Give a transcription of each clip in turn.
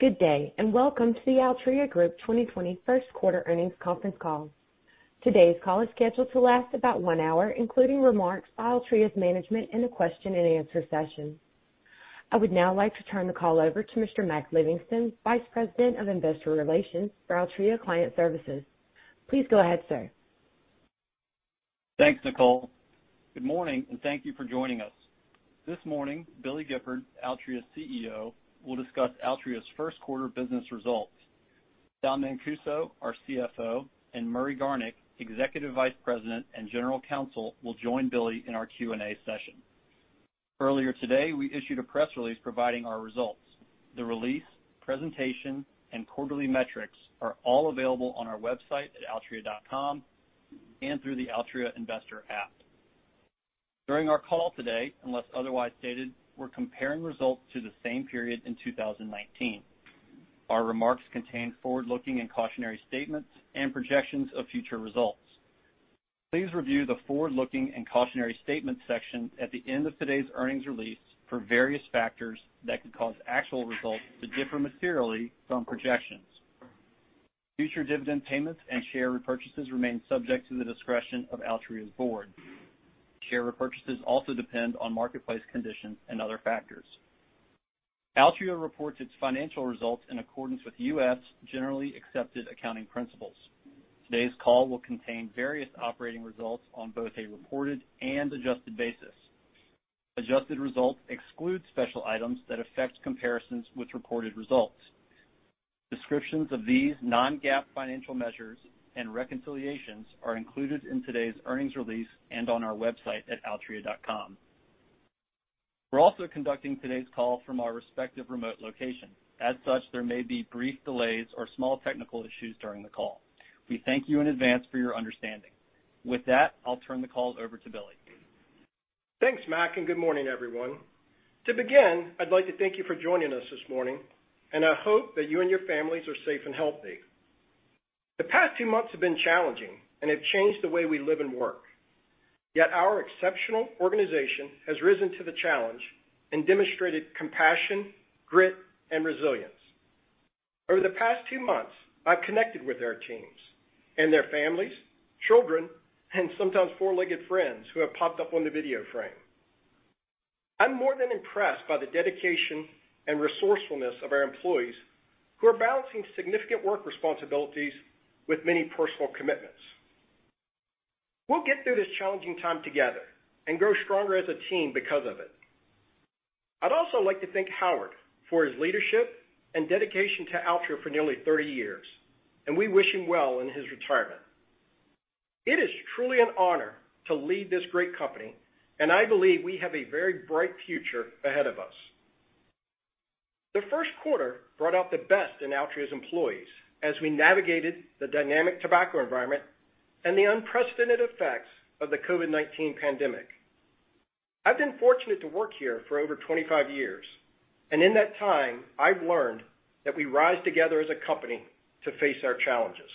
Good day. Welcome to the Altria Group 2020 first quarter earnings conference call. Today's call is scheduled to last about one hour, including remarks by Altria's management and a question-and-answer session. I would now like to turn the call over to Mr. Mac Livingston, Vice President of Investor Relations for Altria Client Services. Please go ahead, sir. Thanks, Nicole. Good morning and thank you for joining us. This morning, Billy Gifford, Altria's CEO, will discuss Altria's first quarter business results. Sal Mancuso, our CFO, and Murray Garnick, Executive Vice President and General Counsel, will join Billy in our Q&A session. Earlier today, we issued a press release providing our results. The release, presentation, and quarterly metrics are all available on our website at altria.com and through the Altria investor app. During our call today, unless otherwise stated, we're comparing results to the same period in 2019. Our remarks contain forward-looking and cautionary statements and projections of future results. Please review the Forward-looking and Cautionary Statements section at the end of today's earnings release for various factors that could cause actual results to differ materially from projections. Future dividend payments and share repurchases remain subject to the discretion of Altria's board. Share repurchases also depend on marketplace conditions and other factors. Altria reports its financial results in accordance with U.S. Generally Accepted Accounting Principles. Today's call will contain various operating results on both a reported and adjusted basis. Adjusted results exclude special items that affect comparisons with reported results. Descriptions of these non-GAAP financial measures and reconciliations are included in today's earnings release and on our website at altria.com. We're also conducting today's call from our respective remote locations. There may be brief delays or small technical issues during the call. We thank you in advance for your understanding. With that, I'll turn the call over to Billy. Thanks, Mac. Good morning, everyone. To begin, I'd like to thank you for joining us this morning, and I hope that you and your families are safe and healthy. The past two months have been challenging and have changed the way we live and work. Our exceptional organization has risen to the challenge and demonstrated compassion, grit, and resilience. Over the past two months, I've connected with our teams and their families, children, and sometimes four-legged friends who have popped up on the video frame. I'm more than impressed by the dedication and resourcefulness of our employees who are balancing significant work responsibilities with many personal commitments. We'll get through this challenging time together and grow stronger as a team because of it. I'd also like to thank Howard for his leadership and dedication to Altria for nearly 30 years, and we wish him well in his retirement. It is truly an honor to lead this great company, and I believe we have a very bright future ahead of us. The first quarter brought out the best in Altria's employees as we navigated the dynamic tobacco environment and the unprecedented effects of the COVID-19 pandemic. I've been fortunate to work here for over 25 years, and in that time, I've learned that we rise together as a company to face our challenges.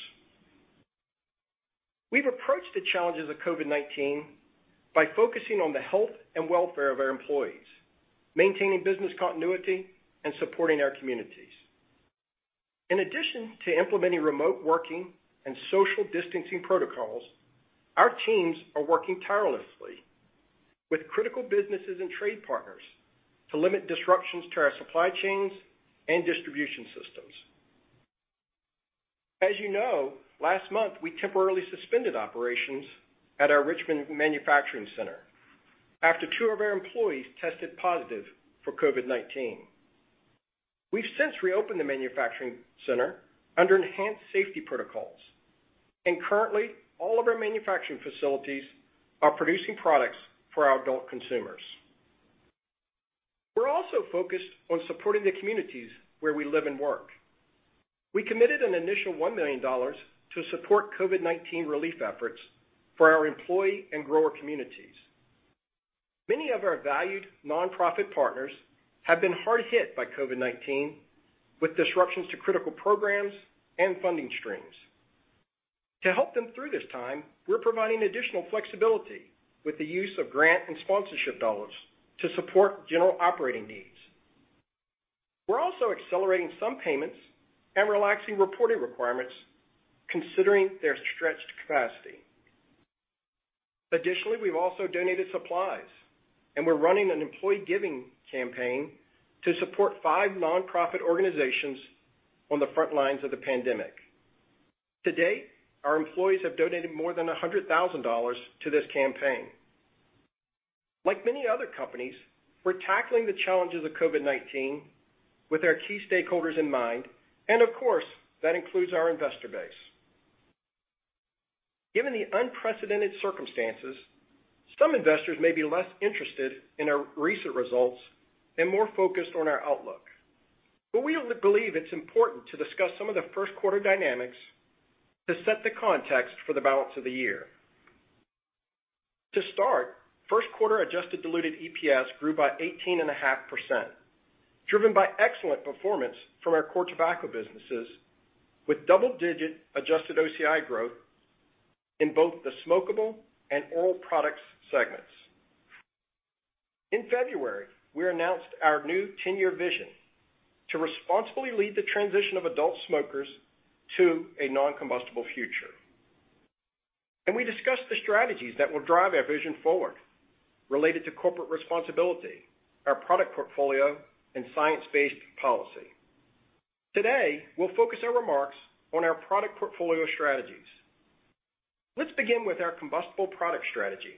We've approached the challenges of COVID-19 by focusing on the health and welfare of our employees, maintaining business continuity, and supporting our communities. In addition to implementing remote working and social distancing protocols, our teams are working tirelessly with critical businesses and trade partners to limit disruptions to our supply chains and distribution systems. As you know, last month, we temporarily suspended operations at our Richmond manufacturing center after two of our employees tested positive for COVID-19. We've since reopened the manufacturing center under enhanced safety protocols, and currently, all of our manufacturing facilities are producing products for our adult consumers. We're also focused on supporting the communities where we live and work. We committed an initial $1 million to support COVID-19 relief efforts for our employee and grower communities. Many of our valued nonprofit partners have been hard hit by COVID-19, with disruptions to critical programs and funding streams. To help them through this time, we're providing additional flexibility with the use of grant and sponsorship dollars to support general operating needs. We're also accelerating some payments and relaxing reporting requirements, considering their stretched capacity. Additionally, we've also donated supplies, and we're running an employee giving campaign to support five nonprofit organizations on the front lines of the pandemic. To date, our employees have donated more than $100,000 to this campaign. Like many other companies, we're tackling the challenges of COVID-19 with our key stakeholders in mind, and of course, that includes our investor base. Given the unprecedented circumstances, some investors may be less interested in our recent results and more focused on our outlook. We believe it's important to discuss some of the first quarter dynamics to set the context for the balance of the year. To start, first quarter adjusted diluted EPS grew by 18.5%, driven by excellent performance from our core tobacco businesses with double-digit adjusted OCI growth in both the smokable and oral products segments. In February, we announced our new 10-year vision to responsibly lead the transition of adult smokers to a non-combustible future. We discussed the strategies that will drive our vision forward related to corporate responsibility, our product portfolio, and science-based policy. Today, we'll focus our remarks on our product portfolio strategies. Let's begin with our combustible product strategy,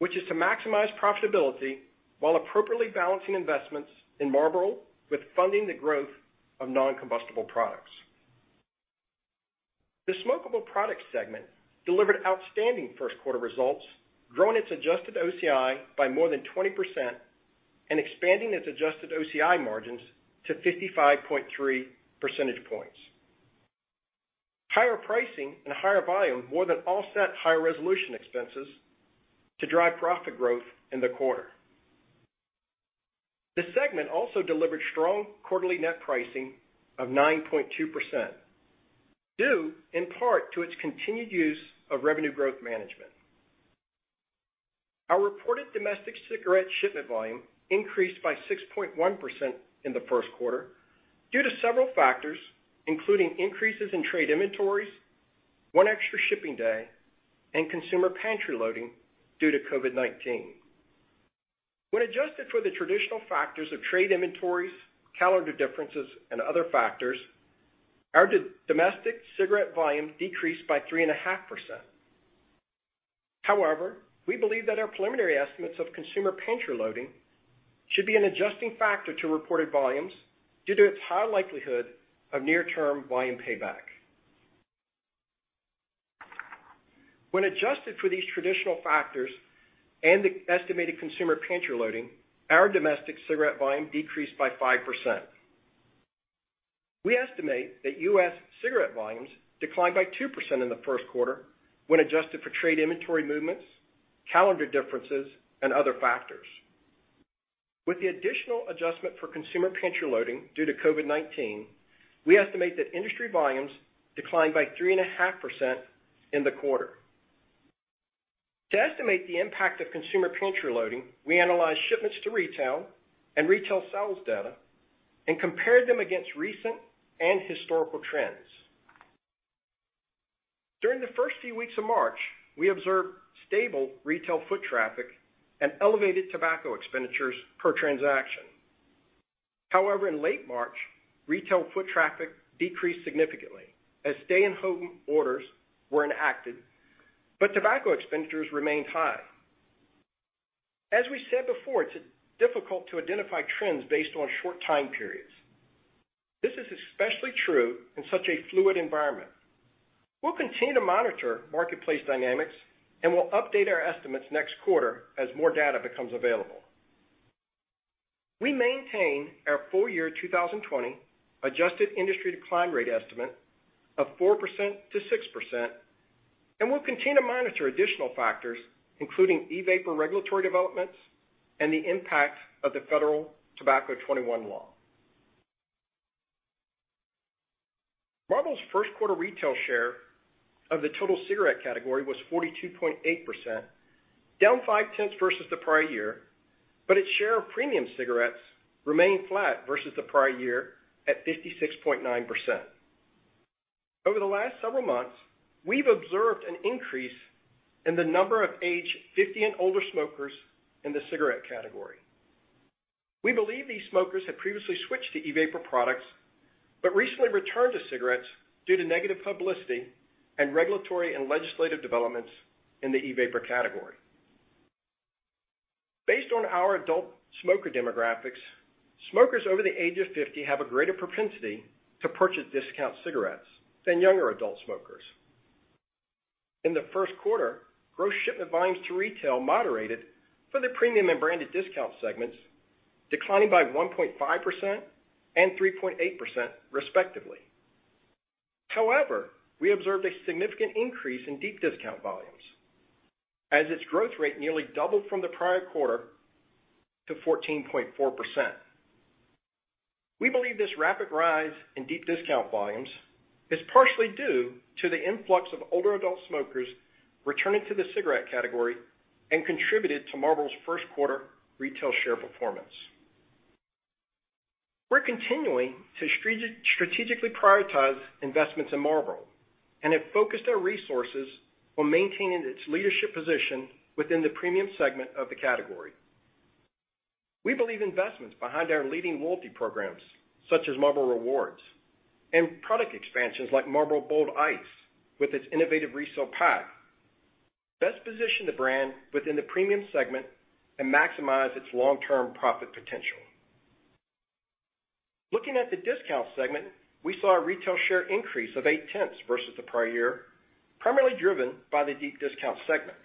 which is to maximize profitability while appropriately balancing investments in Marlboro with funding the growth of non-combustible products. The smokable product segment delivered outstanding first quarter results, growing its adjusted OCI by more than 20% and expanding its adjusted OCI margins to 55.3 percentage points. Higher pricing and higher volume more than offset higher resolution expenses to drive profit growth in the quarter. The segment also delivered strong quarterly net pricing of 9.2%, due in part to its continued use of revenue growth management. Our reported domestic cigarette shipment volume increased by 6.1% in the first quarter due to several factors, including increases in trade inventories, one extra shipping day, and consumer pantry loading due to COVID-19. When adjusted for the traditional factors of trade inventories, calendar differences, and other factors, our domestic cigarette volume decreased by 3.5%. However, we believe that our preliminary estimates of consumer pantry loading should be an adjusting factor to reported volumes due to its high likelihood of near-term volume payback. When adjusted for these traditional factors and the estimated consumer pantry loading, our domestic cigarette volume decreased by 5%. We estimate that U.S. cigarette volumes declined by 2% in the first quarter when adjusted for trade inventory movements, calendar differences, and other factors. With the additional adjustment for consumer pantry loading due to COVID-19, we estimate that industry volumes declined by 3.5% in the quarter. To estimate the impact of consumer pantry loading, we analyzed shipments to retail and retail sales data and compared them against recent and historical trends. During the first few weeks of March, we observed stable retail foot traffic and elevated tobacco expenditures per transaction. In late March, retail foot traffic decreased significantly as stay-at-home orders were enacted, but tobacco expenditures remained high. As we said before, it's difficult to identify trends based on short time periods. This is especially true in such a fluid environment. We'll continue to monitor marketplace dynamics, and we'll update our estimates next quarter as more data becomes available. We maintain our full year 2020 adjusted industry decline rate estimate of 4%-6%, and we'll continue to monitor additional factors, including e-vapor regulatory developments and the impact of the Federal Tobacco 21 law. Marlboro's first quarter retail share of the total cigarette category was 42.8%, down five-tenths versus the prior year, but its share of premium cigarettes remained flat versus the prior year at 56.9%. Over the last several months, we've observed an increase in the number of age 50 and older smokers in the cigarette category. We believe these smokers had previously switched to e-vapor products, but recently returned to cigarettes due to negative publicity and regulatory and legislative developments in the e-vapor category. Based on our adult smoker demographics, smokers over the age of 50 have a greater propensity to purchase discount cigarettes than younger adult smokers. In the first quarter, gross shipment volumes to retail moderated for the premium and branded discount segments, declining by 1.5% and 3.8% respectively. We observed a significant increase in deep discount volumes, as its growth rate nearly doubled from the prior quarter to 14.4%. We believe this rapid rise in deep discount volumes is partially due to the influx of older adult smokers returning to the cigarette category and contributed to Marlboro's first quarter retail share performance. We're continuing to strategically prioritize investments in Marlboro and have focused our resources on maintaining its leadership position within the premium segment of the category. We believe investments behind our leading loyalty programs, such as Marlboro Rewards, and product expansions like Marlboro Bold Ice with its innovative Reseal Pack, best position the brand within the premium segment and maximize its long-term profit potential. Looking at the discount segment, we saw a retail share increase of eight-tenths versus the prior year, primarily driven by the deep discount segment.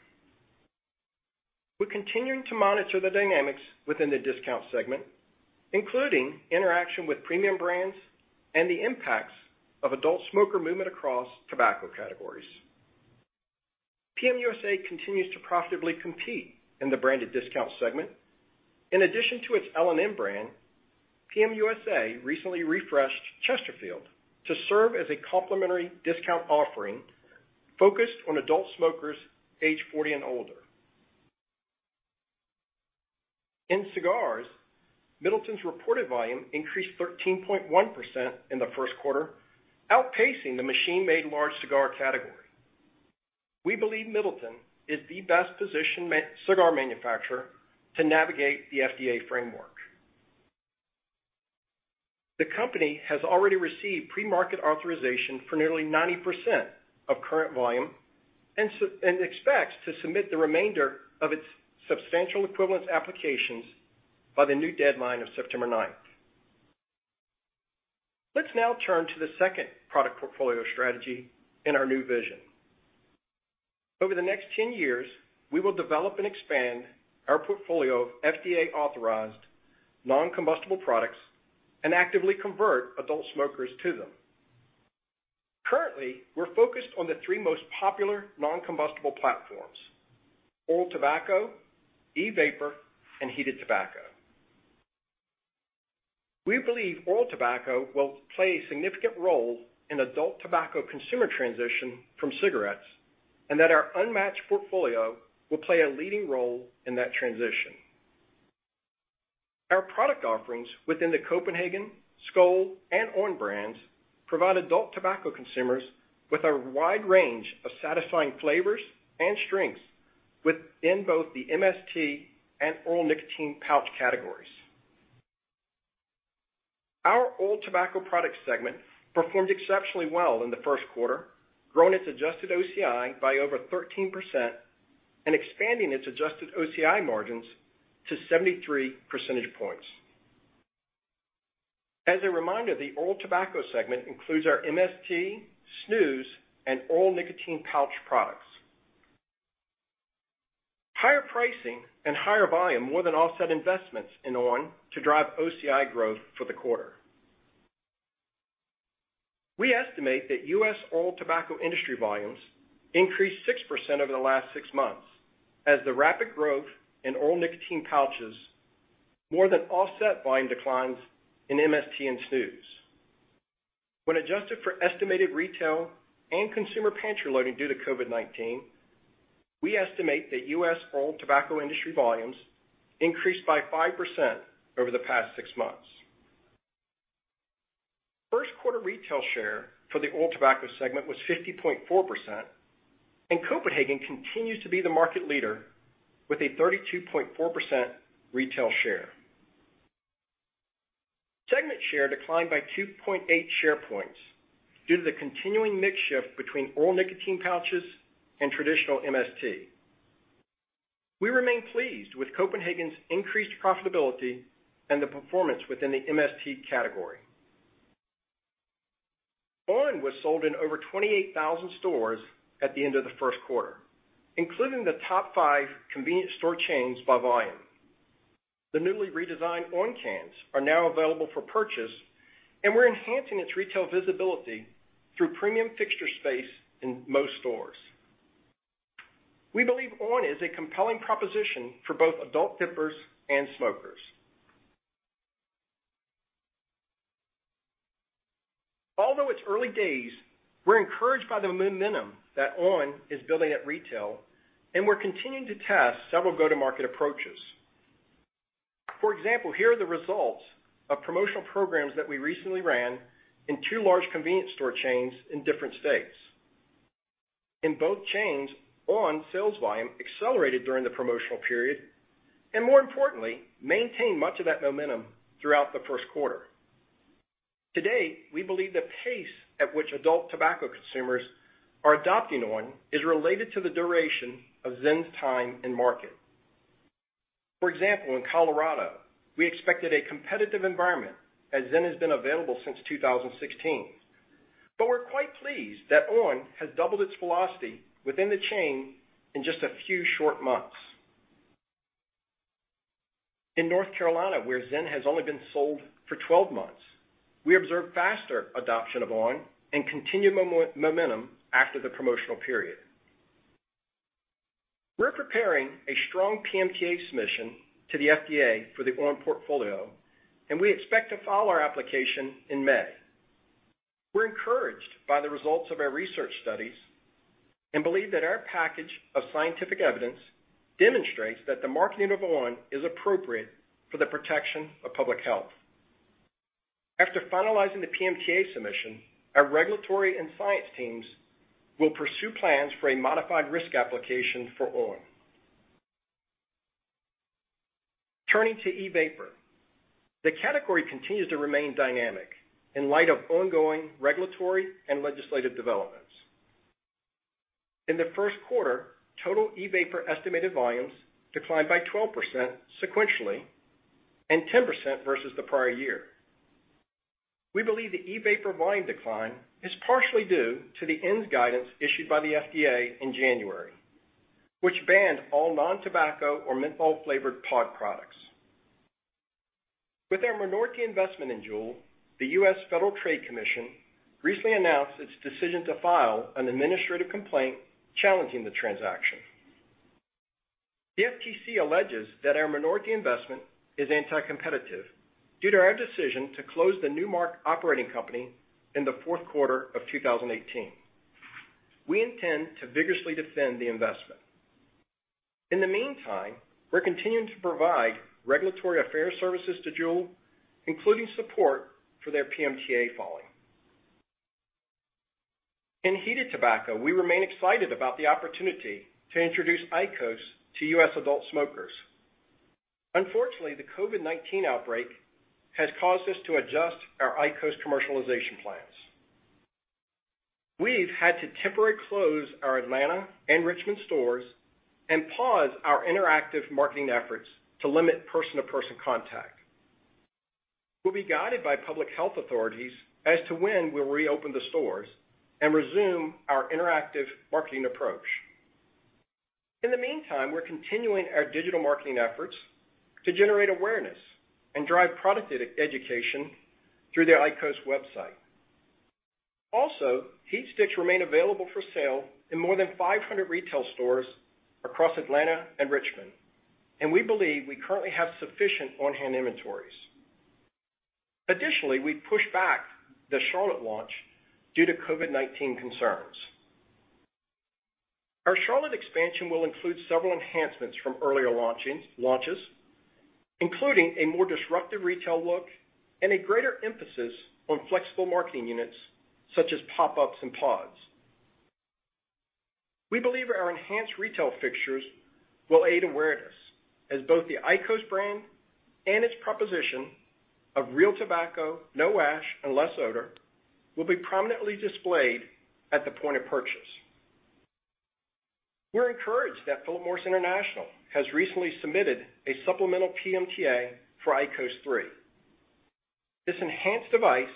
We're continuing to monitor the dynamics within the discount segment, including interaction with premium brands and the impacts of adult smoker movement across tobacco categories. PM USA continues to profitably compete in the branded discount segment. In addition to its L&M brand, PM USA recently refreshed Chesterfield to serve as a complimentary discount offering focused on adult smokers age 40 and older. In cigars, Middleton's reported volume increased 13.1% in the first quarter, outpacing the machine-made large cigar category. We believe Middleton is the best-positioned cigar manufacturer to navigate the FDA framework. The company has already received pre-market authorization for nearly 90% of current volume and expects to submit the remainder of its substantial equivalence applications by the new deadline of September 9th. Let's now turn to the second product portfolio strategy in our new vision. Over the next 10 years, we will develop and expand our portfolio of FDA-authorized non-combustible products and actively convert adult smokers to them. Currently, we're focused on the three most popular non-combustible platforms, oral tobacco, e-vapor, and heated tobacco. We believe oral tobacco will play a significant role in adult tobacco consumer transition from cigarettes, and that our unmatched portfolio will play a leading role in that transition. Our product offerings within the Copenhagen, Skoal, and on! brands provide adult tobacco consumers with a wide range of satisfying flavors and strengths within both the MST and oral nicotine pouch categories. Our oral tobacco product segment performed exceptionally well in the first quarter, growing its adjusted OCI by over 13% and expanding its adjusted OCI margins to 73 percentage points. As a reminder, the oral tobacco segment includes our MST, snus, and oral nicotine pouch products. Higher pricing and higher volume more than offset investments in on! to drive OCI growth for the quarter. We estimate that U.S. oral tobacco industry volumes increased 6% over the last six months, as the rapid growth in oral nicotine pouches more than offset volume declines in MST and snus. When adjusted for estimated retail and consumer pantry loading due to COVID-19, we estimate that U.S. oral tobacco industry volumes increased by 5% over the past six months. First quarter retail share for the oral tobacco segment was 50.4%, and Copenhagen continues to be the market leader with a 32.4% retail share. Segment share declined by 2.8 share points due to the continuing mix shift between oral nicotine pouches and traditional MST. We remain pleased with Copenhagen's increased profitability and the performance within the MST category. on! was sold in over 28,000 stores at the end of the first quarter, including the top five convenience store chains by volume. The newly redesigned on! cans are now available for purchase, we're enhancing its retail visibility through premium fixture space in most stores. We believe on! is a compelling proposition for both adult dippers and smokers. Although it's early days, we're encouraged by the momentum that on! is building at retail, and we're continuing to test several go-to-market approaches. For example, here are the results of promotional programs that we recently ran in two large convenience store chains in different states. In both chains, on! sales volume accelerated during the promotional period, and more importantly, maintained much of that momentum throughout the first quarter. To date, we believe the pace at which adult tobacco consumers are adopting on! is related to the duration of Zyn's time in market. For example, in Colorado, we expected a competitive environment as Zyn has been available since 2016. We're quite pleased that on! has doubled its velocity within the chain in just a few short months. In North Carolina, where Zyn has only been sold for 12 months, we observed faster adoption of on! and continued momentum after the promotional period. We're preparing a strong PMTA submission to the FDA for the on! portfolio, and we expect to file our application in May. We're encouraged by the results of our research studies and believe that our package of scientific evidence demonstrates that the marketing of on! is appropriate for the protection of public health. After finalizing the PMTA submission, our regulatory and science teams will pursue plans for a modified risk application for on! Turning to e-vapor. The category continues to remain dynamic in light of ongoing regulatory and legislative developments. In the first quarter, total e-vapor estimated volumes declined by 12% sequentially and 10% versus the prior year. We believe the e-vapor volume decline is partially due to the ENDS guidance issued by the FDA in January, which banned all non-tobacco or menthol-flavored pod products. With our minority investment in JUUL, the U.S. Federal Trade Commission recently announced its decision to file an administrative complaint challenging the transaction. The FTC alleges that our minority investment is anti-competitive due to our decision to close the Nu Mark operating company in the fourth quarter of 2018. We intend to vigorously defend the investment. In the meantime, we're continuing to provide regulatory affairs services to JUUL, including support for their PMTA filing. In heated tobacco, we remain excited about the opportunity to introduce IQOS to U.S. adult smokers. Unfortunately, the COVID-19 outbreak has caused us to adjust our IQOS commercialization plans. We've had to temporarily close our Atlanta and Richmond stores and pause our interactive marketing efforts to limit person-to-person contact. We'll be guided by public health authorities as to when we'll reopen the stores and resume our interactive marketing approach. In the meantime, we're continuing our digital marketing efforts to generate awareness and drive product education through the IQOS website. HeatSticks remain available for sale in more than 500 retail stores across Atlanta and Richmond, and we believe we currently have sufficient on-hand inventories. We've pushed back the Charlotte launch due to COVID-19 concerns. Our Charlotte expansion will include several enhancements from earlier launches, including a more disruptive retail look and a greater emphasis on flexible marketing units such as pop-ups and pods. We believe our enhanced retail fixtures will aid awareness as both the IQOS brand and its proposition of real tobacco, no ash, and less odor will be prominently displayed at the point of purchase. We're encouraged that Philip Morris International has recently submitted a supplemental PMTA for IQOS 3. This enhanced device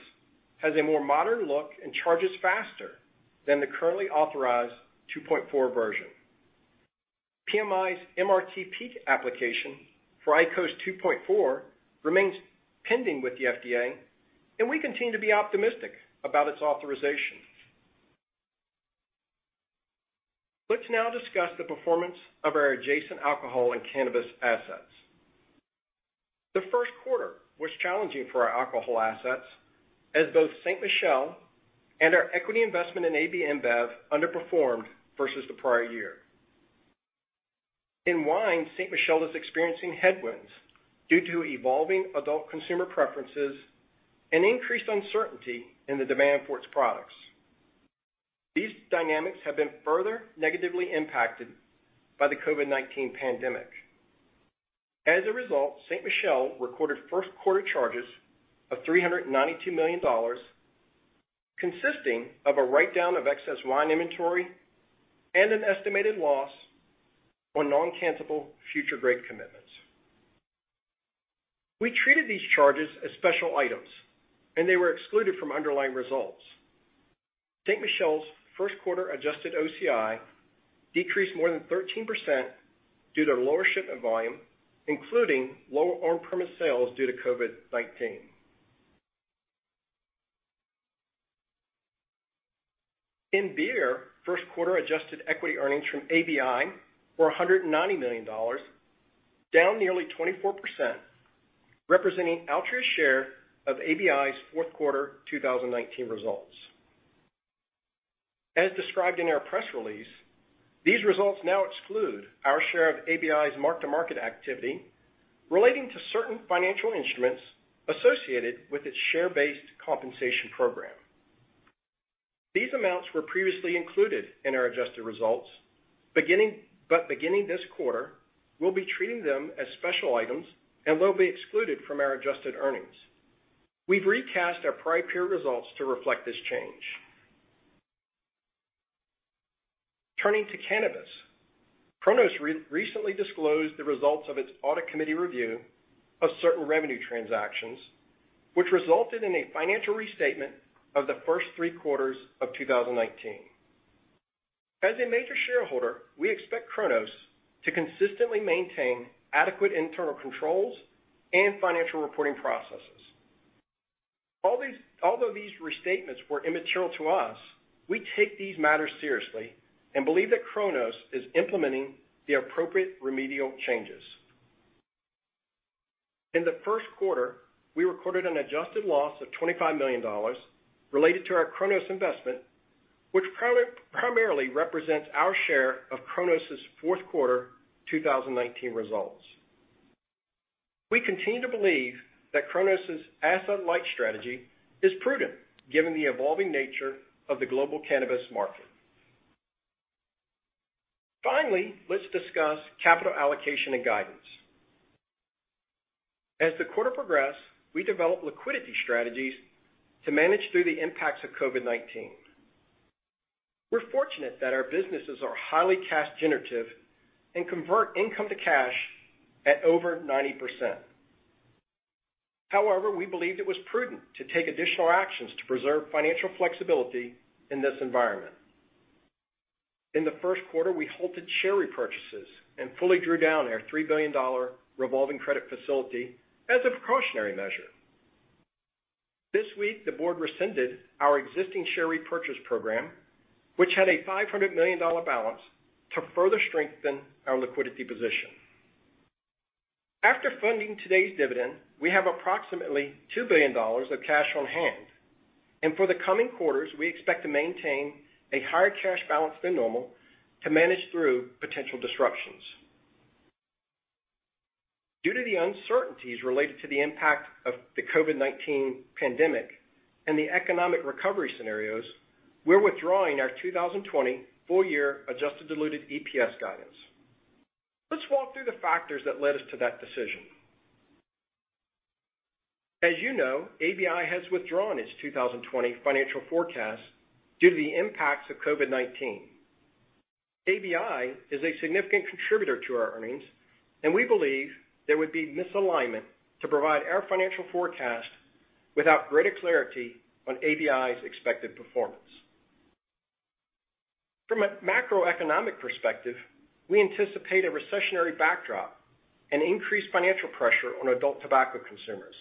has a more modern look and charges faster than the currently authorized 2.4 version. PMI's MRTP application for IQOS 2.4 remains pending with the FDA, and we continue to be optimistic about its authorization. Let's now discuss the performance of our adjacent alcohol and cannabis assets. The first quarter was challenging for our alcohol assets as both Ste. Michelle and our equity investment in AB InBev underperformed versus the prior year. In wine, Ste. Michelle is experiencing headwinds due to evolving adult consumer preferences and increased uncertainty in the demand for its products. These dynamics have been further negatively impacted by the COVID-19 pandemic. As a result, Ste. Michelle recorded first quarter charges of $392 million, consisting of a write-down of excess wine inventory and an estimated loss on non-cancellable future grape commitments. They were excluded from underlying results. Ste. Michelle's first quarter adjusted OCI decreased more than 13% due to lower shipment volume, including lower on-premise sales due to COVID-19. In beer, first quarter adjusted equity earnings from ABI were $190 million, down nearly 24%, representing Altria's share of ABI's fourth quarter 2019 results. As described in our press release, these results now exclude our share of ABI's mark-to-market activity relating to certain financial instruments associated with its share-based compensation program. These amounts were previously included in our adjusted results, but beginning this quarter, we will be treating them as special items and will be excluded from our adjusted earnings. We've recast our prior period results to reflect this change. Turning to cannabis, Cronos recently disclosed the results of its audit committee review of certain revenue transactions, which resulted in a financial restatement of the first three quarters of 2019. As a major shareholder, we expect Cronos to consistently maintain adequate internal controls and financial reporting processes. Although these restatements were immaterial to us, we take these matters seriously and believe that Cronos is implementing the appropriate remedial changes. In the first quarter, we recorded an adjusted loss of $25 million related to our Cronos investment, which primarily represents our share of Cronos' fourth quarter 2019 results. We continue to believe that Cronos' asset-light strategy is prudent given the evolving nature of the global cannabis market. Let's discuss capital allocation and guidance. As the quarter progressed, we developed liquidity strategies to manage through the impacts of COVID-19. We're fortunate that our businesses are highly cash generative and convert income to cash at over 90%. We believed it was prudent to take additional actions to preserve financial flexibility in this environment. In the first quarter, we halted share repurchases and fully drew down our $3 billion revolving credit facility as a precautionary measure. This week, the board rescinded our existing share repurchase program, which had a $500 million balance to further strengthen our liquidity position. After funding today's dividend, we have approximately $2 billion of cash on hand. For the coming quarters, we expect to maintain a higher cash balance than normal to manage through potential disruptions. Due to the uncertainties related to the impact of the COVID-19 pandemic and the economic recovery scenarios, we're withdrawing our 2020 full-year adjusted diluted EPS guidance. Let's walk through the factors that led us to that decision. As you know, ABI has withdrawn its 2020 financial forecast due to the impacts of COVID-19. ABI is a significant contributor to our earnings, and we believe there would be misalignment to provide our financial forecast without greater clarity on ABI's expected performance. From a macroeconomic perspective, we anticipate a recessionary backdrop and increased financial pressure on adult tobacco consumers.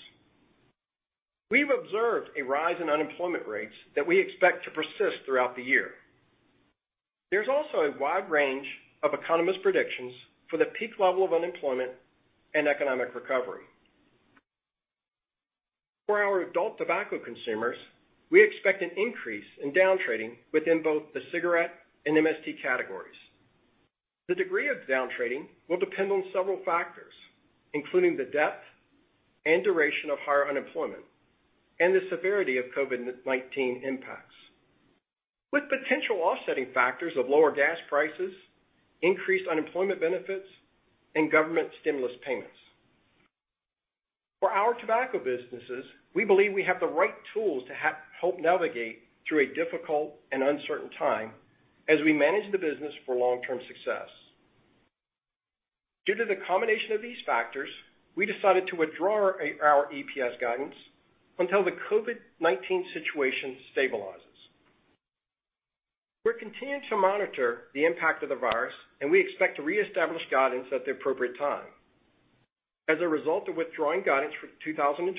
We've observed a rise in unemployment rates that we expect to persist throughout the year. There's also a wide range of economist predictions for the peak level of unemployment and economic recovery. For our adult tobacco consumers, we expect an increase in down-trading within both the cigarette and MST categories. The degree of down-trading will depend on several factors, including the depth and duration of higher unemployment and the severity of COVID-19 impacts. With potential offsetting factors of lower gas prices, increased unemployment benefits, and government stimulus payments. For our tobacco businesses, we believe we have the right tools to help navigate through a difficult and uncertain time as we manage the business for long-term success. Due to the combination of these factors, we decided to withdraw our EPS guidance until the COVID-19 situation stabilizes. We're continuing to monitor the impact of the virus, and we expect to reestablish guidance at the appropriate time. As a result of withdrawing guidance for 2020,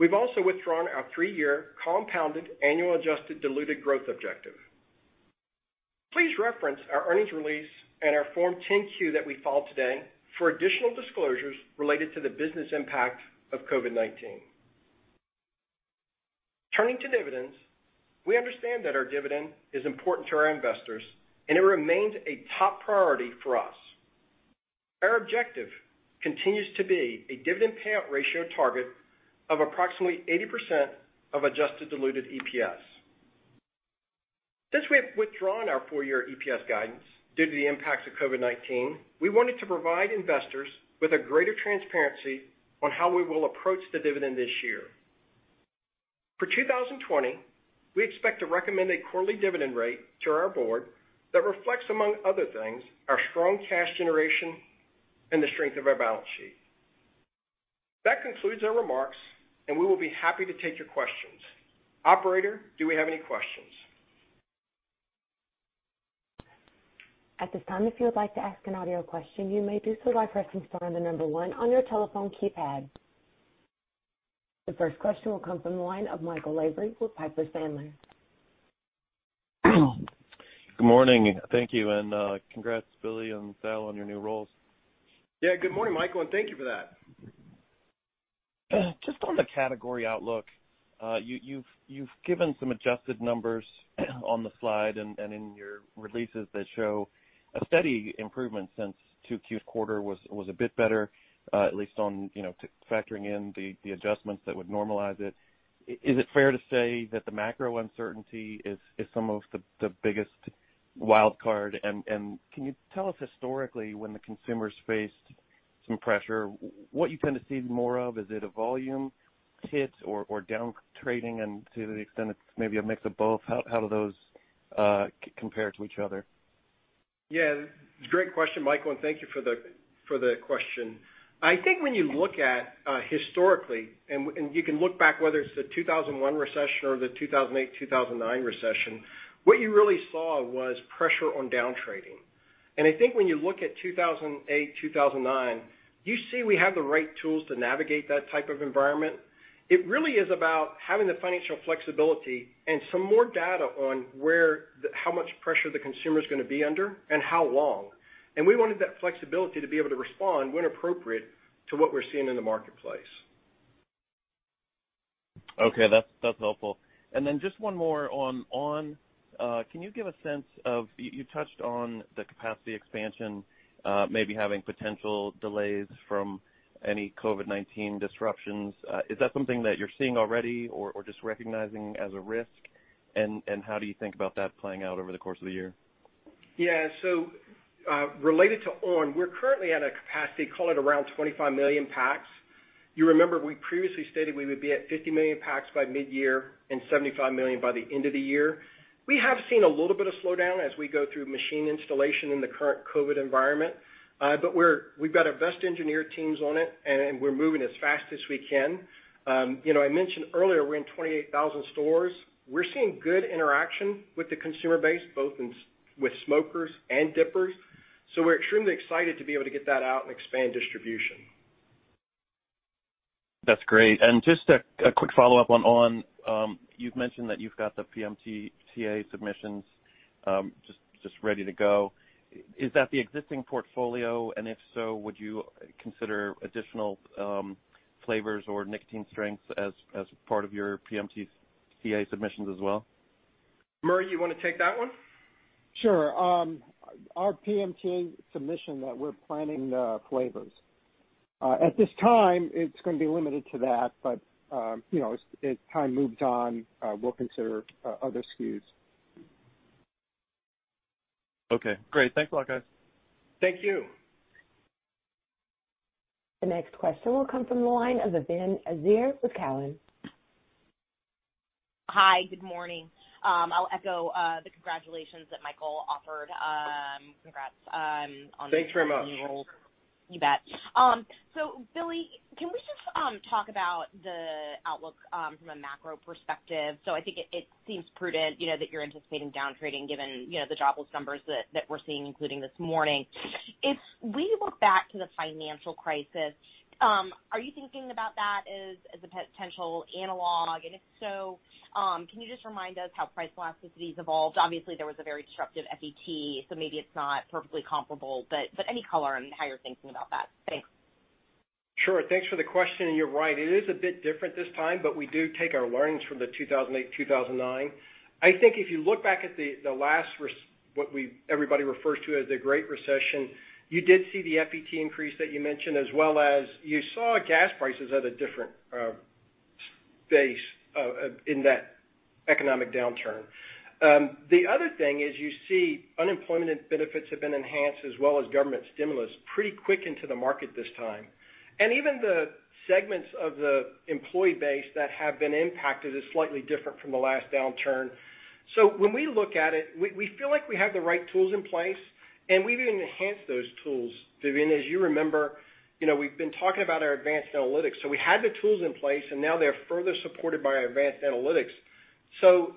we've also withdrawn our three-year compounded annual adjusted diluted growth objective. Please reference our earnings release and our Form 10-Q that we followed today for additional disclosures related to the business impact of COVID-19. Turning to dividends, we understand that our dividend is important to our investors, and it remains a top priority for us. Our objective continues to be a dividend payout ratio target of approximately 80% of adjusted diluted EPS. Since we have withdrawn our full-year EPS guidance due to the impacts of COVID-19, we wanted to provide investors with a greater transparency on how we will approach the dividend this year. For 2020, we expect to recommend a quarterly dividend rate to our board that reflects, among other things, our strong cash generation and the strength of our balance sheet. That concludes our remarks, and we will be happy to take your questions. Operator, do we have any questions? At this time, if you would like to ask an audio question, you may do so by pressing star and the number one on your telephone keypad. The first question will come from the line of Michael Lavery with Piper Sandler. Good morning. Thank you, and congrats, Billy and Sal, on your new roles. Yeah, good morning, Michael, and thank you for that. Just on the category outlook, you've given some adjusted numbers on the slide and in your releases that show a steady improvement since 2Q quarter was a bit better, at least on factoring in the adjustments that would normalize it. Is it fair to say that the macro uncertainty is some of the biggest wildcard? Can you tell us historically when the consumers faced some pressure, what you tend to see more of? Is it a volume hit or down-trading? To the extent it's maybe a mix of both, how do those compare to each other? Yeah. Great question, Michael, thank you for the question. I think when you look at historically, you can look back whether it's the 2001 recession or the 2008, 2009 recession, what you really saw was pressure on down-trading. I think when you look at 2008, 2009, you see we have the right tools to navigate that type of environment. It really is about having the financial flexibility and some more data on how much pressure the consumer's going to be under and how long. We wanted that flexibility to be able to respond when appropriate to what we're seeing in the marketplace. Okay. That's helpful. Then just one more on on!. You touched on the capacity expansion maybe having potential delays from any COVID-19 disruptions. Is that something that you're seeing already or just recognizing as a risk? How do you think about that playing out over the course of the year? Yeah. Related to on!, we're currently at a capacity, call it around 25 million packs. You remember we previously stated we would be at 50 million packs by mid-year and 75 million by the end of the year. We have seen a little bit of slowdown as we go through machine installation in the current COVID environment. We've got our best engineer teams on it, and we're moving as fast as we can. I mentioned earlier, we're in 28,000 stores. We're seeing good interaction with the consumer base, both with smokers and dippers. We're extremely excited to be able to get that out and expand distribution. That's great. Just a quick follow-up on!, you've mentioned that you've got the PMTA submissions just ready to go. Is that the existing portfolio, and if so, would you consider additional flavors or nicotine strengths as part of your PMTA submissions as well? Murray, you want to take that one? Sure. Our PMTA submission that we're planning the flavors. At this time, it's going to be limited to that, but as time moves on, we'll consider other SKUs. Okay, great. Thanks a lot, guys. Thank you. The next question will come from the line of Vivien Azer with Cowen. Hi, good morning. I'll echo the congratulations that Michael offered. Congrats on the new role. Thanks very much. You bet. Billy, can we just talk about the outlook from a macro perspective? I think it seems prudent that you're anticipating downtrading given the jobless numbers that we're seeing, including this morning. If we look back to the financial crisis, are you thinking about that as a potential analog? If so, can you just remind us how price elasticities evolved? Obviously, there was a very disruptive FET, so maybe it's not perfectly comparable, but any color on how you're thinking about that. Thanks. Sure. Thanks for the question, and you're right. It is a bit different this time, but we do take our learnings from 2008, 2009. I think if you look back at the last, what everybody refers to as the Great Recession, you did see the FET increase that you mentioned, as well as you saw gas prices at a different space in that economic downturn. The other thing is you see unemployment benefits have been enhanced as well as government stimulus pretty quick into the market this time. Even the segments of the employee base that have been impacted is slightly different from the last downturn. When we look at it, we feel like we have the right tools in place, and we've even enhanced those tools, Vivien. As you remember, we've been talking about our advanced analytics. We had the tools in place, and now they're further supported by our advanced analytics.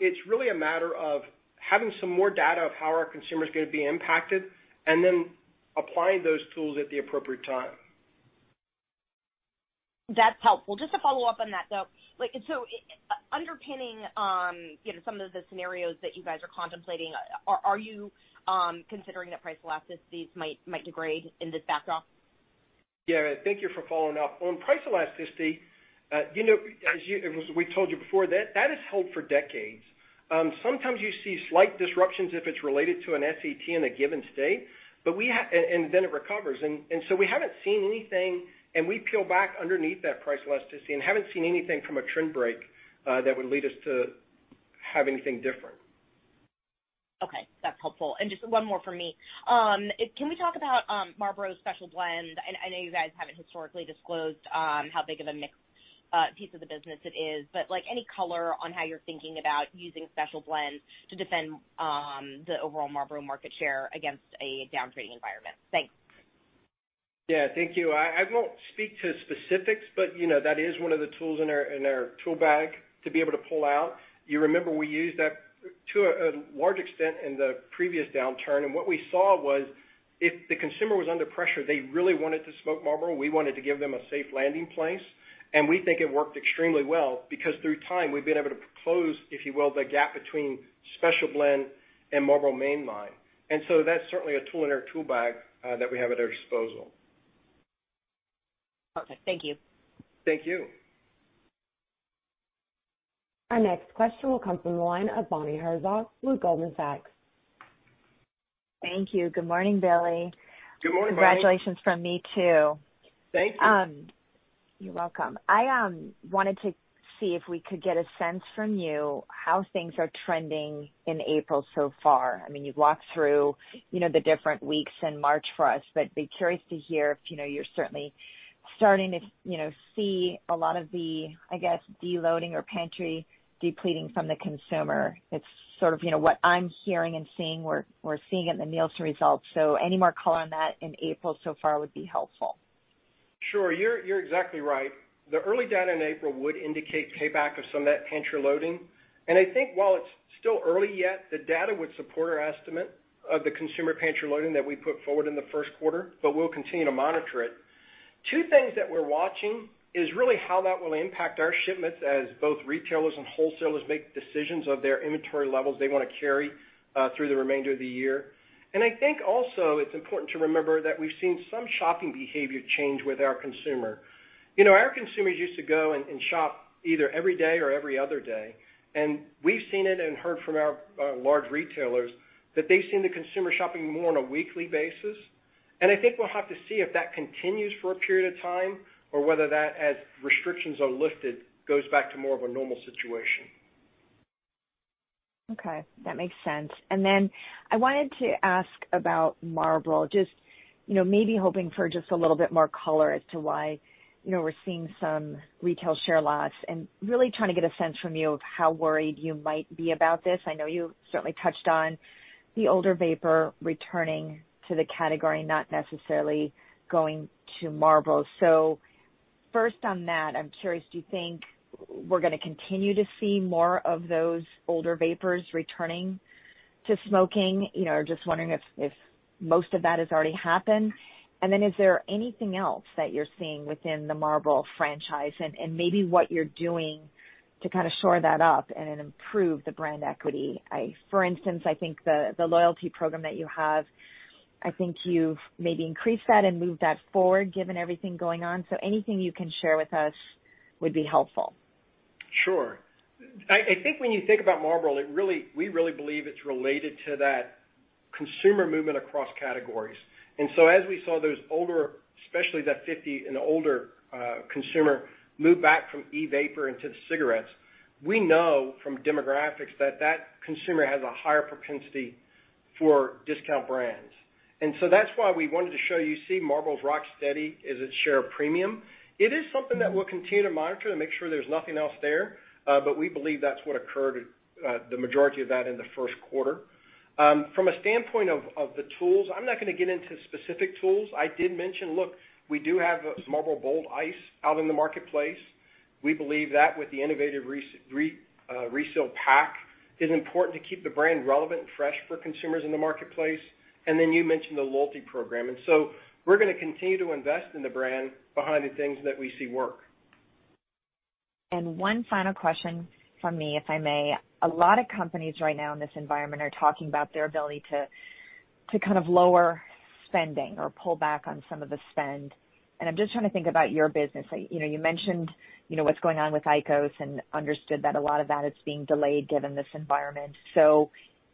It's really a matter of having some more data of how our consumer is going to be impacted and then applying those tools at the appropriate time. That's helpful. Just to follow up on that, though. Underpinning some of the scenarios that you guys are contemplating, are you considering that price elasticities might degrade in this backdrop? Yeah. Thank you for following up. On price elasticity, as we told you before, that has held for decades. Sometimes you see slight disruptions if it's related to an FET in a given state, and then it recovers. So we haven't seen anything, and we peel back underneath that price elasticity and haven't seen anything from a trend break that would lead us to have anything different. Okay, that's helpful. Just one more from me. Can we talk about Marlboro Special Blend? I know you guys haven't historically disclosed how big of a mix piece of the business it is, but any color on how you're thinking about using Special Blends to defend the overall Marlboro market share against a downtrading environment? Thanks. Yeah. Thank you. I won't speak to specifics, but that is one of the tools in our tool bag to be able to pull out. You remember we used that to a large extent in the previous downturn, and what we saw was if the consumer was under pressure, they really wanted to smoke Marlboro, we wanted to give them a safe landing place, and we think it worked extremely well because through time, we've been able to close, if you will, the gap between Special Blend and Marlboro Mainline. That's certainly a tool in our tool bag that we have at our disposal. Okay. Thank you. Thank you. Our next question will come from the line of Bonnie Herzog with Goldman Sachs. Thank you. Good morning, Billy. Good morning, Bonnie. Congratulations from me, too. Thank you. You're welcome. I wanted to see if we could get a sense from you how things are trending in April so far. You've walked through the different weeks in March for us, but be curious to hear if you're certainly starting to see a lot of the, I guess, deloading or pantry depleting from the consumer. It's sort of what I'm hearing and seeing, or seeing in the Nielsen results. Any more color on that in April so far would be helpful. Sure. You're exactly right. The early data in April would indicate payback of some of that pantry loading. I think while it's still early yet, the data would support our estimate of the consumer pantry loading that we put forward in the first quarter, but we'll continue to monitor it. Two things that we're watching is really how that will impact our shipments as both retailers and wholesalers make decisions of their inventory levels they want to carry through the remainder of the year. I think also it's important to remember that we've seen some shopping behavior change with our consumer. Our consumers used to go and shop either every day or every other day, and we've seen it and heard from our large retailers that they've seen the consumer shopping more on a weekly basis. I think we'll have to see if that continues for a period of time or whether that, as restrictions are lifted, goes back to more of a normal situation. Okay, that makes sense. Then I wanted to ask about Marlboro, just maybe hoping for just a little bit more color as to why we're seeing some retail share loss and really trying to get a sense from you of how worried you might be about this. I know you certainly touched on the older vaper returning to the category, not necessarily going to Marlboro. First on that, I'm curious, do you think we're going to continue to see more of those older vapers returning to smoking? Just wondering if most of that has already happened. Then is there anything else that you're seeing within the Marlboro franchise and maybe what you're doing to shore that up and improve the brand equity? For instance, I think the loyalty program that you have, I think you've maybe increased that and moved that forward, given everything going on. Anything you can share with us would be helpful. Sure. I think when you think about Marlboro, we really believe it's related to that consumer movement across categories. As we saw those older, especially that 50 and older consumer, move back from e-vapor into the cigarettes, we know from demographics that that consumer has a higher propensity for discount brands. That's why we wanted to show you, see Marlboro's rock steady is its share premium. It is something that we'll continue to monitor to make sure there's nothing else there. We believe that's what occurred, the majority of that in the first quarter. From a standpoint of the tools, I'm not going to get into specific tools. I did mention, look, we do have Marlboro Bold Ice out in the marketplace. We believe that with the innovative Reseal Pack is important to keep the brand relevant and fresh for consumers in the marketplace. You mentioned the loyalty program, and so we're going to continue to invest in the brand behind the things that we see work. One final question from me, if I may. A lot of companies right now in this environment are talking about their ability to lower spending or pull back on some of the spend. I'm just trying to think about your business. You mentioned what's going on with IQOS and understood that a lot of that is being delayed given this environment.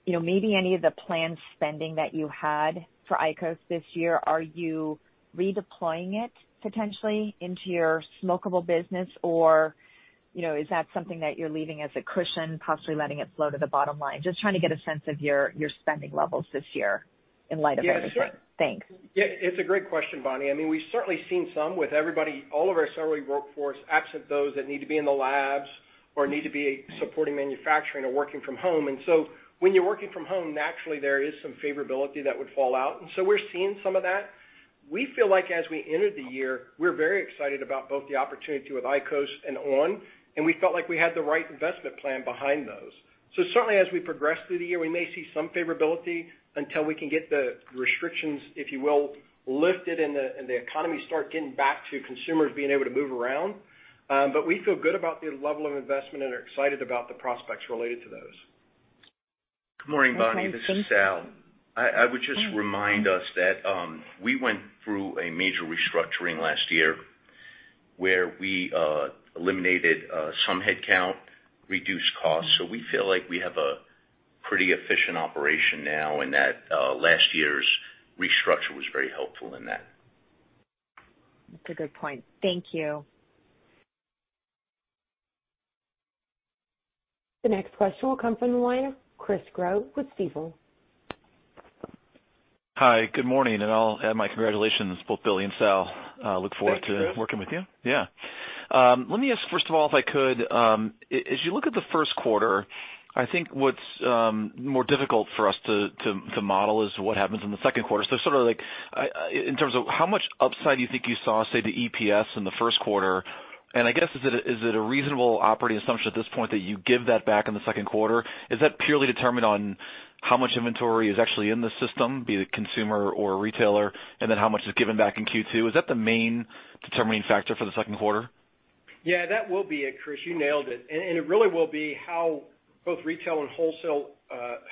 Maybe any of the planned spending that you had for IQOS this year, are you redeploying it potentially into your smokable business? Is that something that you're leaving as a cushion, possibly letting it flow to the bottom line? Just trying to get a sense of your spending levels this year in light of everything. Thanks. Yeah, it's a great question, Bonnie. We've certainly seen some with everybody, all of our salary workforce, absent those that need to be in the labs or need to be supporting manufacturing or working from home. When you're working from home, naturally, there is some favorability that would fall out. We're seeing some of that. We feel like as we entered the year, we're very excited about both the opportunity with IQOS and on!, and we felt like we had the right investment plan behind those. Certainly, as we progress through the year, we may see some favorability until we can get the restrictions, if you will, lifted and the economy start getting back to consumers being able to move around. We feel good about the level of investment and are excited about the prospects related to those. Okay. Good morning, Bonnie. This is Sal. I would just remind us that we went through a major restructuring last year where we eliminated some headcount, reduced costs. We feel like we have a pretty efficient operation now and that last year's restructure was very helpful in that. That's a good point. Thank you. The next question will come from the line of Chris Growe with Stifel. Hi, good morning. I'll add my congratulations to both Billy and Sal. Thanks, Chris. Looking forward to working with you. Yeah. Let me ask, first of all, if I could, as you look at the first quarter, I think what's more difficult for us to model is what happens in the second quarter. Sort of like in terms of how much upside you think you saw, say, the EPS in the first quarter, and I guess, is it a reasonable operating assumption at this point that you give that back in the second quarter? Is that purely determined on how much inventory is actually in the system, be it a consumer or a retailer, and then how much is given back in Q2? Is that the main determining factor for the second quarter? Yeah, that will be it, Chris. You nailed it. It really will be how both retail and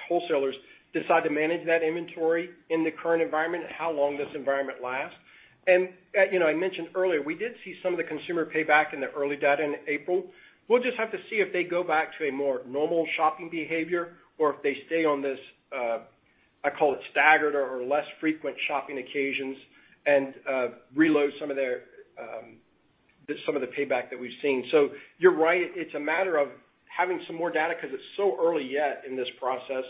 wholesalers decide to manage that inventory in the current environment and how long this environment lasts. I mentioned earlier, we did see some of the consumer payback in the early data in April. We'll just have to see if they go back to a more normal shopping behavior or if they stay on this, I call it staggered or less frequent shopping occasions and reload some of the payback that we've seen. You're right, it's a matter of having some more data because it's so early yet in this process,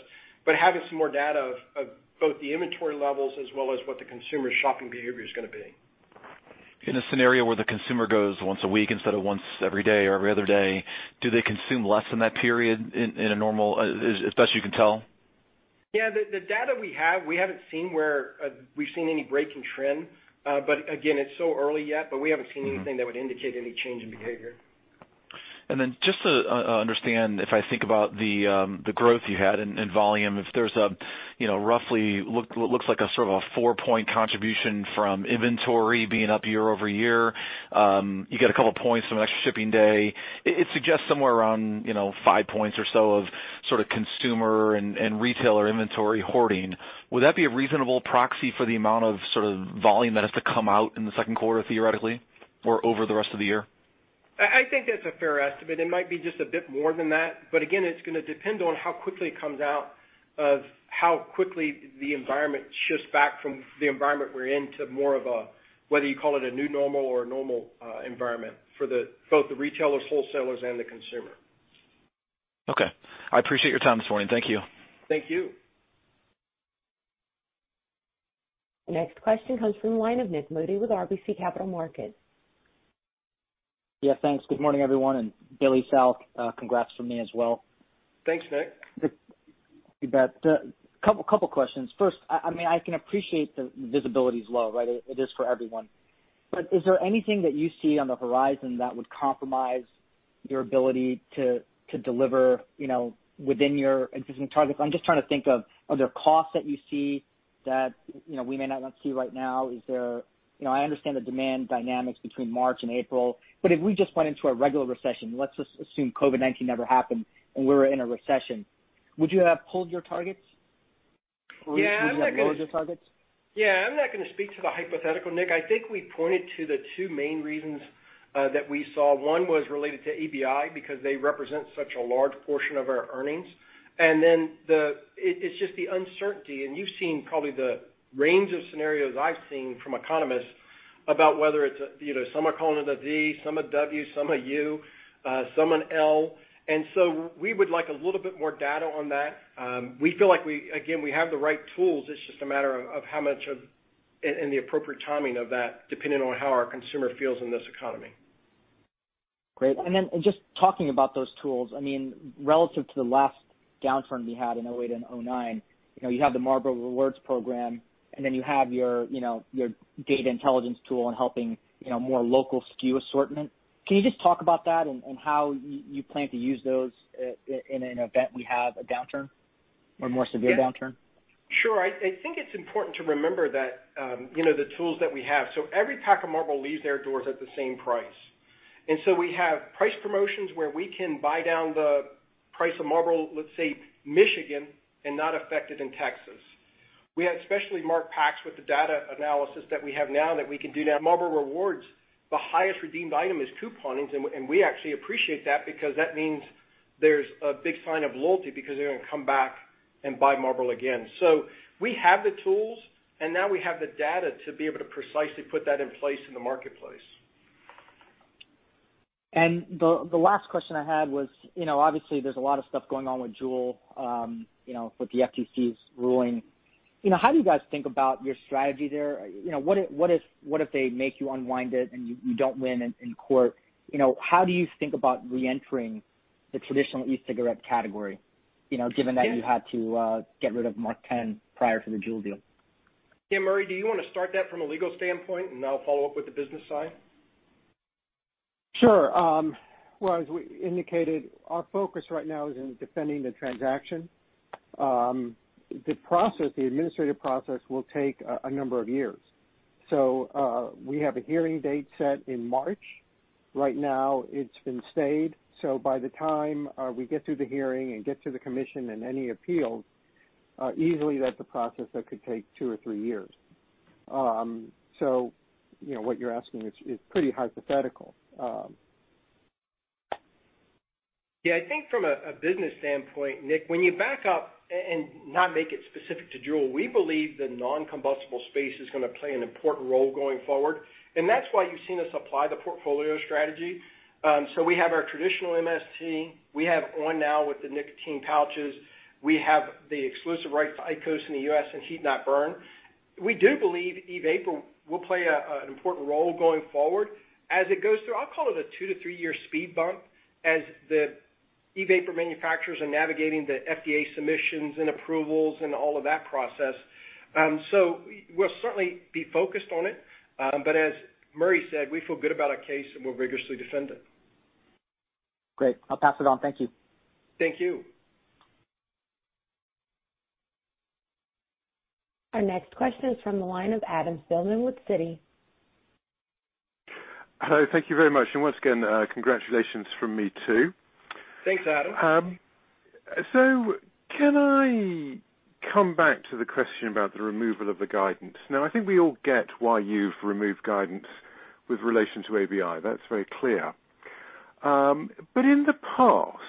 but having some more data of both the inventory levels as well as what the consumer shopping behavior is going to be. In a scenario where the consumer goes once a week instead of once every day or every other day, do they consume less in that period in a normal, as best you can tell? Yeah, the data we have, we haven't seen where we've seen any break in trend. Again, it's so early yet, but we haven't seen anything that would indicate any change in behavior. Just to understand, if I think about the growth you had in volume, if there's a roughly, looks like a sort of a four-point contribution from inventory being up year-over-year. You get a couple points from an extra shipping day. It suggests somewhere around five points or so of consumer and retailer inventory hoarding. Would that be a reasonable proxy for the amount of volume that has to come out in the second quarter, theoretically, or over the rest of the year? I think that's a fair estimate. It might be just a bit more than that. Again, it's going to depend on how quickly it comes out of how quickly the environment shifts back from the environment we're in to more of a, whether you call it a new normal or a normal environment for both the retailers, wholesalers, and the consumer. Okay. I appreciate your time this morning. Thank you. Thank you. The next question comes from the line of Nik Modi with RBC Capital Markets. Yeah, thanks. Good morning, everyone, and Billy, Sal, congrats from me as well. Thanks, Nik. You bet. Couple questions. First, I can appreciate the visibility is low, right? It is for everyone. Is there anything that you see on the horizon that would compromise your ability to deliver within your existing targets? I'm just trying to think of, are there costs that you see that we may not see right now? I understand the demand dynamics between March and April, but if we just went into a regular recession, let's just assume COVID-19 never happened, and we're in a recession, would you have pulled your targets? Yeah. Would you have lowered your targets? Yeah. I'm not going to speak to the hypothetical, Nik. I think we pointed to the two main reasons that we saw. One was related to ABI because they represent such a large portion of our earnings. It's just the uncertainty, and you've seen probably the range of scenarios I've seen from economists about whether it's, some are calling it a V, some a W, some a U, some an L. We would like a little bit more data on that. We feel like, again, we have the right tools. It's just a matter of how much and the appropriate timing of that, depending on how our consumer feels in this economy. Great. Just talking about those tools, relative to the last downturn we had in 2008 and 2009, you have the Marlboro Rewards program, and then you have your data intelligence tool in helping more local SKU assortment. Can you just talk about that and how you plan to use those in an event we have a downturn or a more severe downturn? Sure. I think it's important to remember that the tools that we have. Every pack of Marlboro leaves their doors at the same price. We have price promotions where we can buy down the price of Marlboro, let's say, Michigan, and not affect it in Texas. We have specially marked packs with the data analysis that we have now that we can do now. Marlboro Rewards, the highest redeemed item is couponing, and we actually appreciate that because that means there's a big sign of loyalty because they're going to come back and buy Marlboro again. We have the tools, and now we have the data to be able to precisely put that in place in the marketplace. The last question I had was, obviously, there's a lot of stuff going on with JUUL, with the FTC's ruling. How do you guys think about your strategy there? What if they make you unwind it and you don't win in court? How do you think about reentering the traditional e-cigarette category given that you had to get rid of MarkTen prior to the JUUL deal? Yeah, Murray, do you want to start that from a legal standpoint, and I'll follow up with the business side? Sure. Well, as we indicated, our focus right now is in defending the transaction. The administrative process will take a number of years. We have a hearing date set in March. Right now, it's been stayed, so by the time we get through the hearing and get to the commission and any appeals, easily, that's a process that could take two or three years. What you're asking is pretty hypothetical. Yeah, I think from a business standpoint, Nik, when you back up and not make it specific to JUUL, we believe the non-combustible space is going to play an important role going forward, and that's why you've seen us apply the portfolio strategy. We have our traditional MST. We have on! now with the nicotine pouches. We have the exclusive rights to IQOS in the U.S. and heat-not-burn. We do believe e-vapor will play an important role going forward. As it goes through, I'll call it a two- to three-year speed bump as the e-vapor manufacturers are navigating the FDA submissions and approvals and all of that process. We'll certainly be focused on it. As Murray said, we feel good about our case, and we'll vigorously defend it. Great. I'll pass it on. Thank you. Thank you. Our next question is from the line of Adam Spielman with Citi. Hello, thank you very much. Once again, congratulations from me, too. Thanks, Adam. Can I come back to the question about the removal of the guidance? Now, I think we all get why you've removed guidance with relation to ABI. That's very clear. In the past,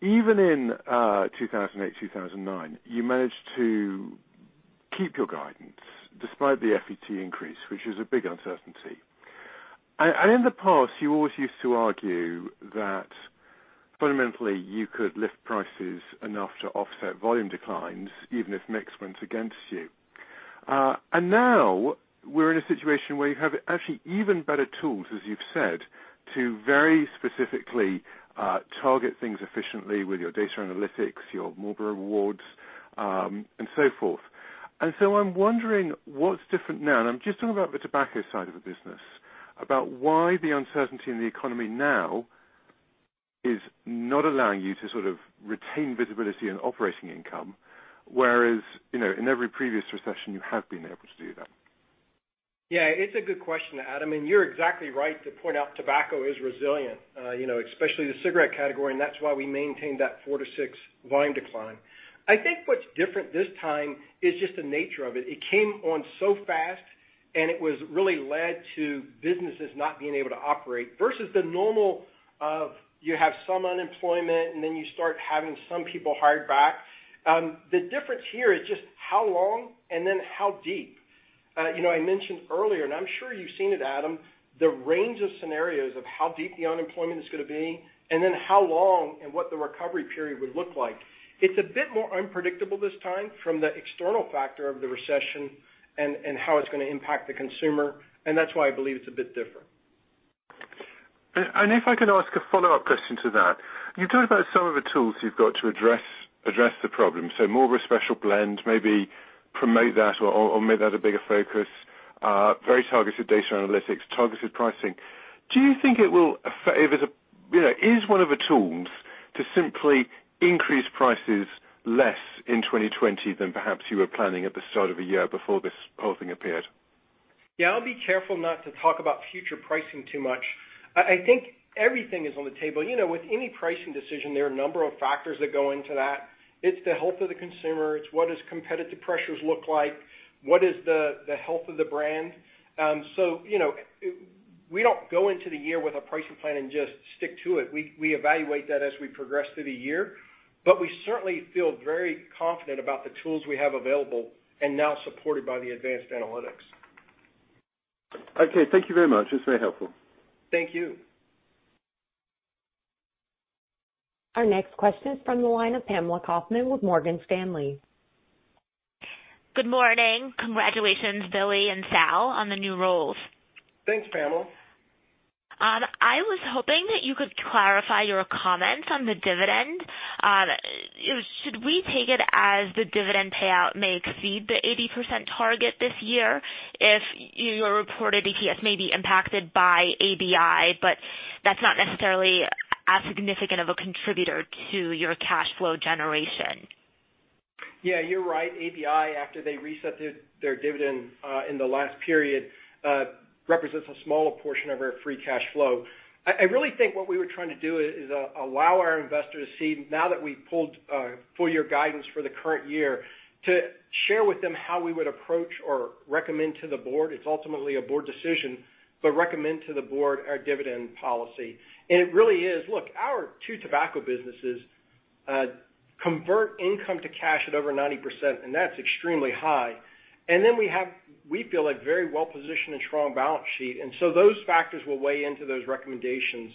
even in 2008, 2009, you managed to keep your guidance despite the FET increase, which is a big uncertainty. In the past, you always used to argue that fundamentally you could lift prices enough to offset volume declines, even if mix went against you. Now we're in a situation where you have actually even better tools, as you've said, to very specifically target things efficiently with your data analytics, your Marlboro Rewards, and so forth. I'm wondering what's different now, and I'm just talking about the tobacco side of the business, about why the uncertainty in the economy now is not allowing you to sort of retain visibility in operating income, whereas in every previous recession, you have been able to do that. Yeah. It's a good question, Adam, and you're exactly right to point out tobacco is resilient, especially the cigarette category, and that's why we maintained that 4%-6% volume decline. I think what's different this time is just the nature of it. It came on so fast, and it was really led to businesses not being able to operate versus the normal of you have some unemployment, and then you start having some people hired back. The difference here is just how long and then how deep. I mentioned earlier, and I'm sure you've seen it, Adam, the range of scenarios of how deep the unemployment is going to be and then how long and what the recovery period would look like. It's a bit more unpredictable this time from the external factor of the recession and how it's going to impact the consumer, and that's why I believe it's a bit different. If I could ask a follow-up question to that. You talk about some of the tools you've got to address the problem. Marlboro Special Blend, maybe promote that or make that a bigger focus. Very targeted data analytics, targeted pricing. Is one of the tools to simply increase prices less in 2020 than perhaps you were planning at the start of the year before this whole thing appeared? Yeah, I'll be careful not to talk about future pricing too much. I think everything is on the table. With any pricing decision, there are a number of factors that go into that. It's the health of the consumer. It's what does competitive pressures look like? What is the health of the brand? We don't go into the year with a pricing plan and just stick to it. We evaluate that as we progress through the year, but we certainly feel very confident about the tools we have available and now supported by the advanced analytics. Okay. Thank you very much. That's very helpful. Thank you. Our next question is from the line of Pamela Kaufman with Morgan Stanley. Good morning. Congratulations, Billy and Sal, on the new roles. Thanks, Pamela. I was hoping that you could clarify your comments on the dividend. Should we take it as the dividend payout may exceed the 80% target this year if your reported EPS may be impacted by ABI, but that's not necessarily as significant of a contributor to your cash flow generation? Yeah, you're right. ABI, after they reset their dividend in the last period, represents a smaller portion of our free cash flow. I really think what we were trying to do is allow our investors to see, now that we've pulled full year guidance for the current year, to share with them how we would approach or recommend to the board. It's ultimately a board decision, but recommend to the board our dividend policy. It really is. Look, our two tobacco businesses convert income to cash at over 90%, and that's extremely high. Then we feel very well-positioned and strong balance sheet, and so those factors will weigh into those recommendations,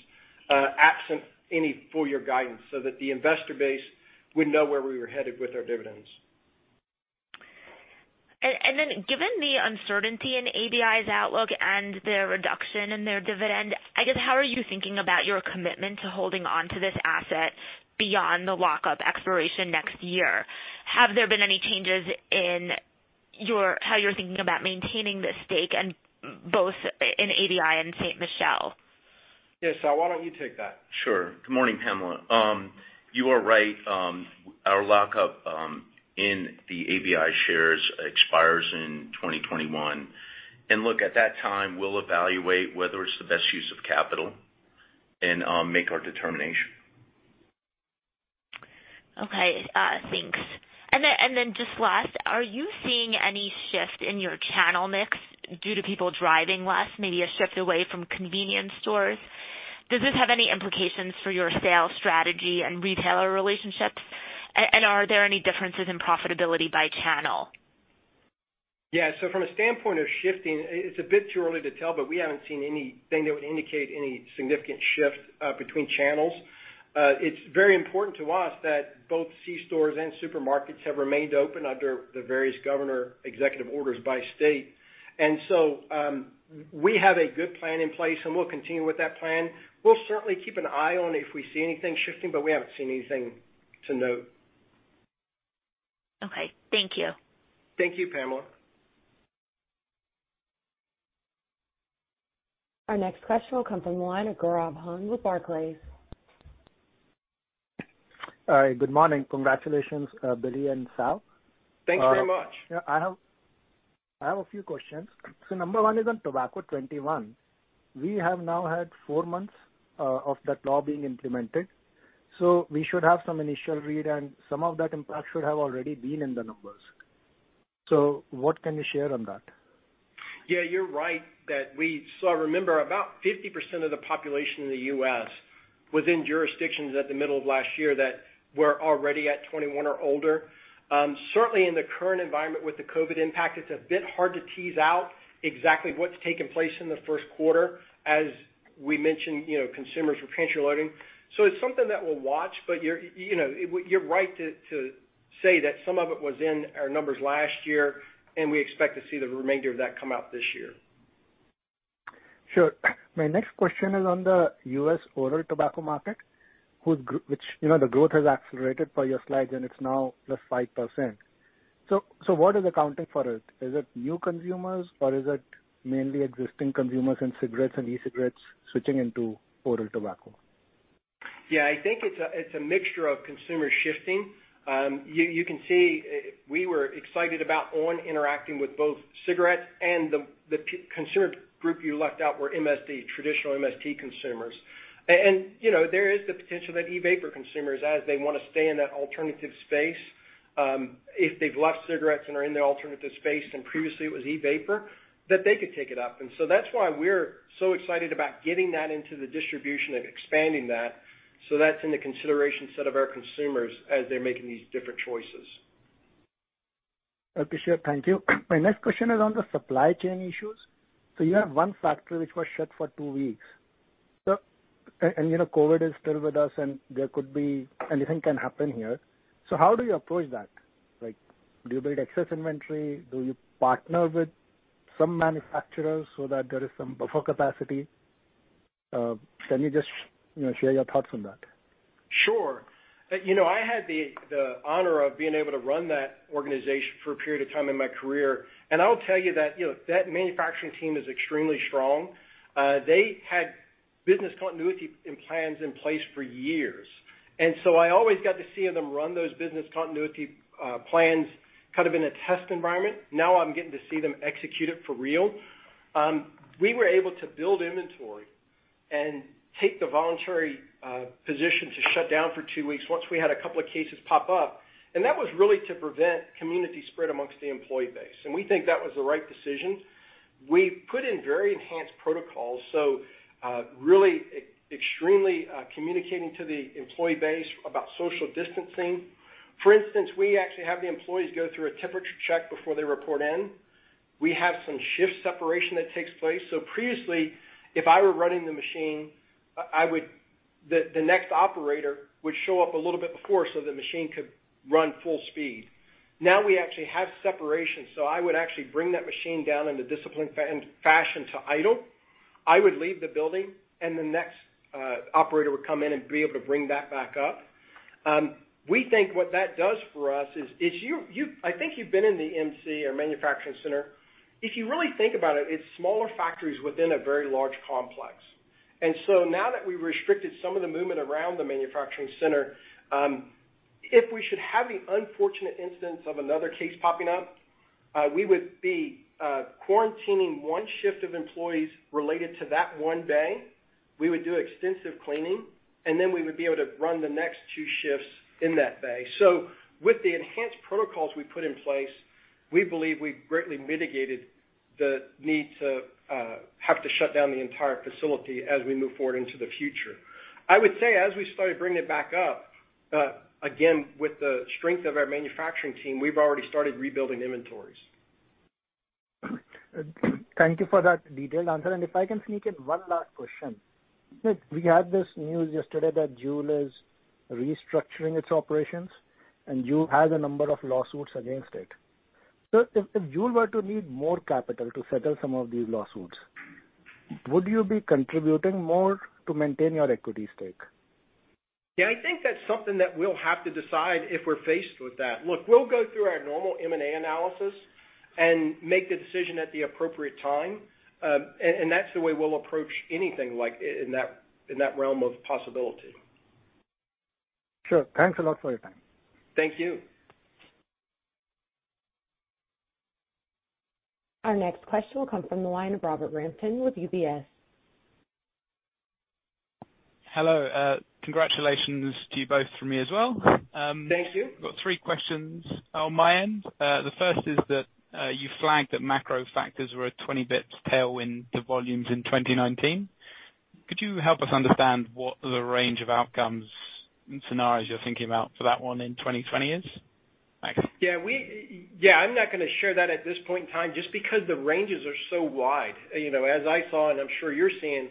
absent any full year guidance, so that the investor base would know where we were headed with our dividends. Given the uncertainty in ABI's outlook and the reduction in their dividend, I guess how are you thinking about your commitment to holding onto this asset beyond the lock-up expiration next year? Have there been any changes in how you're thinking about maintaining this stake, and both in ABI and Ste. Michelle? Yeah, Sal, why don't you take that? Sure. Good morning, Pamela. You are right. Our lock-up in the ABI shares expires in 2021. Look, at that time, we'll evaluate whether it's the best use of capital and make our determination. Okay. Thanks. Just last, are you seeing any shift in your channel mix due to people driving less, maybe a shift away from convenience stores? Does this have any implications for your sales strategy and retailer relationships? Are there any differences in profitability by channel? Yeah. From a standpoint of shifting, it's a bit too early to tell, but we haven't seen anything that would indicate any significant shift between channels. It's very important to us that both C-stores and supermarkets have remained open under the various governor executive orders by state. We have a good plan in place, and we'll continue with that plan. We'll certainly keep an eye on if we see anything shifting, but we haven't seen anything to note. Okay. Thank you. Thank you, Pamela. Our next question will come from the line of Gaurav Jain with Barclays. All right. Good morning. Congratulations, Billy and Sal. Thanks very much. Yeah, I have a few questions. Number one is on Tobacco 21. We have now had four months of that law being implemented, we should have some initial read and some of that impact should have already been in the numbers. What can you share on that? You're right that we, so remember, about 50% of the population in the U.S. was in jurisdictions at the middle of last year that were already at 21 or older. Certainly, in the current environment with the COVID-19 impact, it's a bit hard to tease out exactly what's taken place in the first quarter. As we mentioned, consumers were pantry loading. It's something that we'll watch, but you're right to say that some of it was in our numbers last year, and we expect to see the remainder of that come out this year. Sure. My next question is on the U.S. oral tobacco market, the growth has accelerated per your slides, and it's now +5%. What is accounting for it? Is it new consumers, or is it mainly existing consumers and cigarettes and e-cigarettes switching into oral tobacco? Yeah, I think it's a mixture of consumer shifting. You can see we were excited about on! interacting with both cigarettes and the consumer group you left out were MST, traditional MST consumers. There is the potential that e-vapor consumers, as they want to stay in that alternative space, if they've left cigarettes and are in the alternative space and previously it was e-vapor, that they could take it up. That's why we're so excited about getting that into the distribution and expanding that. That's in the consideration set of our consumers as they're making these different choices. Okay, sure. Thank you. My next question is on the supply chain issues. You have one factory which was shut for two weeks. COVID-19 is still with us, and anything can happen here. How do you approach that? Like, do you build excess inventory? Do you partner with some manufacturers so that there is some buffer capacity? Can you just share your thoughts on that? Sure. I had the honor of being able to run that organization for a period of time in my career, I'll tell you that manufacturing team is extremely strong. They had business continuity plans in place for years, I always got to see them run those business continuity plans in a test environment. Now I'm getting to see them execute it for real. We were able to build inventory and take the voluntary position to shut down for two weeks once we had a couple of cases pop up, that was really to prevent community spread amongst the employee base, and we think that was the right decision. We've put in very enhanced protocols, really extremely communicating to the employee base about social distancing. For instance, we actually have the employees go through a temperature check before they report in. We have some shift separation that takes place. Previously, if I were running the machine, the next operator would show up a little bit before so the machine could run full speed. Now we actually have separation. I would actually bring that machine down in the disciplined fashion to idle. I would leave the building. The next operator would come in and be able to bring that back up. We think what that does for us is I think you've been in the MC or manufacturing center. If you really think about it's smaller factories within a very large complex. Now that we've restricted some of the movement around the manufacturing center, if we should have the unfortunate instance of another case popping up, we would be quarantining one shift of employees related to that one bay. We would do extensive cleaning, and then we would be able to run the next two shifts in that bay. With the enhanced protocols we've put in place, we believe we've greatly mitigated the need to have to shut down the entire facility as we move forward into the future. I would say, as we started bringing it back up, again, with the strength of our manufacturing team, we've already started rebuilding inventories. Thank you for that detailed answer. If I can sneak in one last question. We had this news yesterday that JUUL is restructuring its operations. JUUL has a number of lawsuits against it. If JUUL were to need more capital to settle some of these lawsuits, would you be contributing more to maintain your equity stake? Yeah, I think that's something that we'll have to decide if we're faced with that. Look, we'll go through our normal M&A analysis and make the decision at the appropriate time. That's the way we'll approach anything like in that realm of possibility. Sure. Thanks a lot for your time. Thank you. Our next question will come from the line of Robert Rampton with UBS. Hello. Congratulations to you both from me as well. Thank you. Got three questions on my end. The first is that you flagged that macro factors were a 20 basis points tailwind to volumes in 2019. Could you help us understand what the range of outcomes and scenarios you're thinking about for that one in 2020 is? Thanks. Yeah, I'm not going to share that at this point in time, just because the ranges are so wide. As I saw, and I'm sure you're seeing,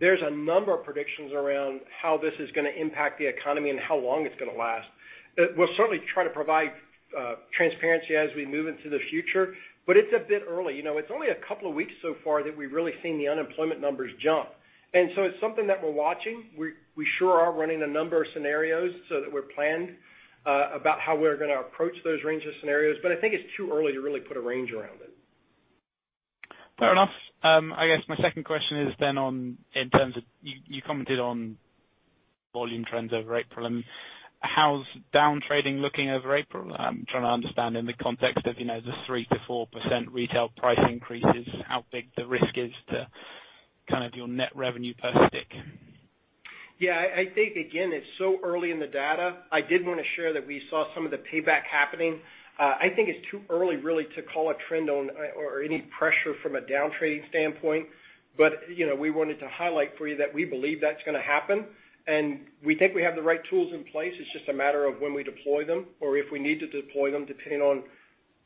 there's a number of predictions around how this is going to impact the economy and how long it's going to last. We'll certainly try to provide transparency as we move into the future, but it's a bit early. It's only a couple of weeks so far that we've really seen the unemployment numbers jump, and so it's something that we're watching. We sure are running a number of scenarios so that we're planned about how we're going to approach those range of scenarios, but I think it's too early to really put a range around it. Fair enough. I guess my second question is then on, in terms of You commented on volume trends over April, and how's downtrading looking over April? I'm trying to understand in the context of the 3% to 4% retail price increases, how big the risk is to your net revenue per stick. I think, again, it's so early in the data. I did want to share that we saw some of the payback happening. I think it's too early really to call a trend or any pressure from a downtrading standpoint. We wanted to highlight for you that we believe that's gonna happen, and we think we have the right tools in place. It's just a matter of when we deploy them or if we need to deploy them, depending on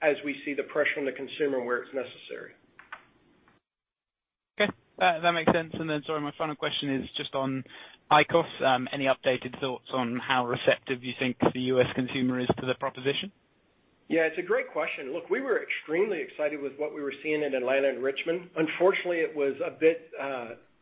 as we see the pressure on the consumer where it's necessary. Okay. That makes sense. Sorry, my final question is just on IQOS. Any updated thoughts on how receptive you think the U.S. consumer is to the proposition? Yeah, it's a great question. Look, we were extremely excited with what we were seeing in Atlanta and Richmond. Unfortunately, it was a bit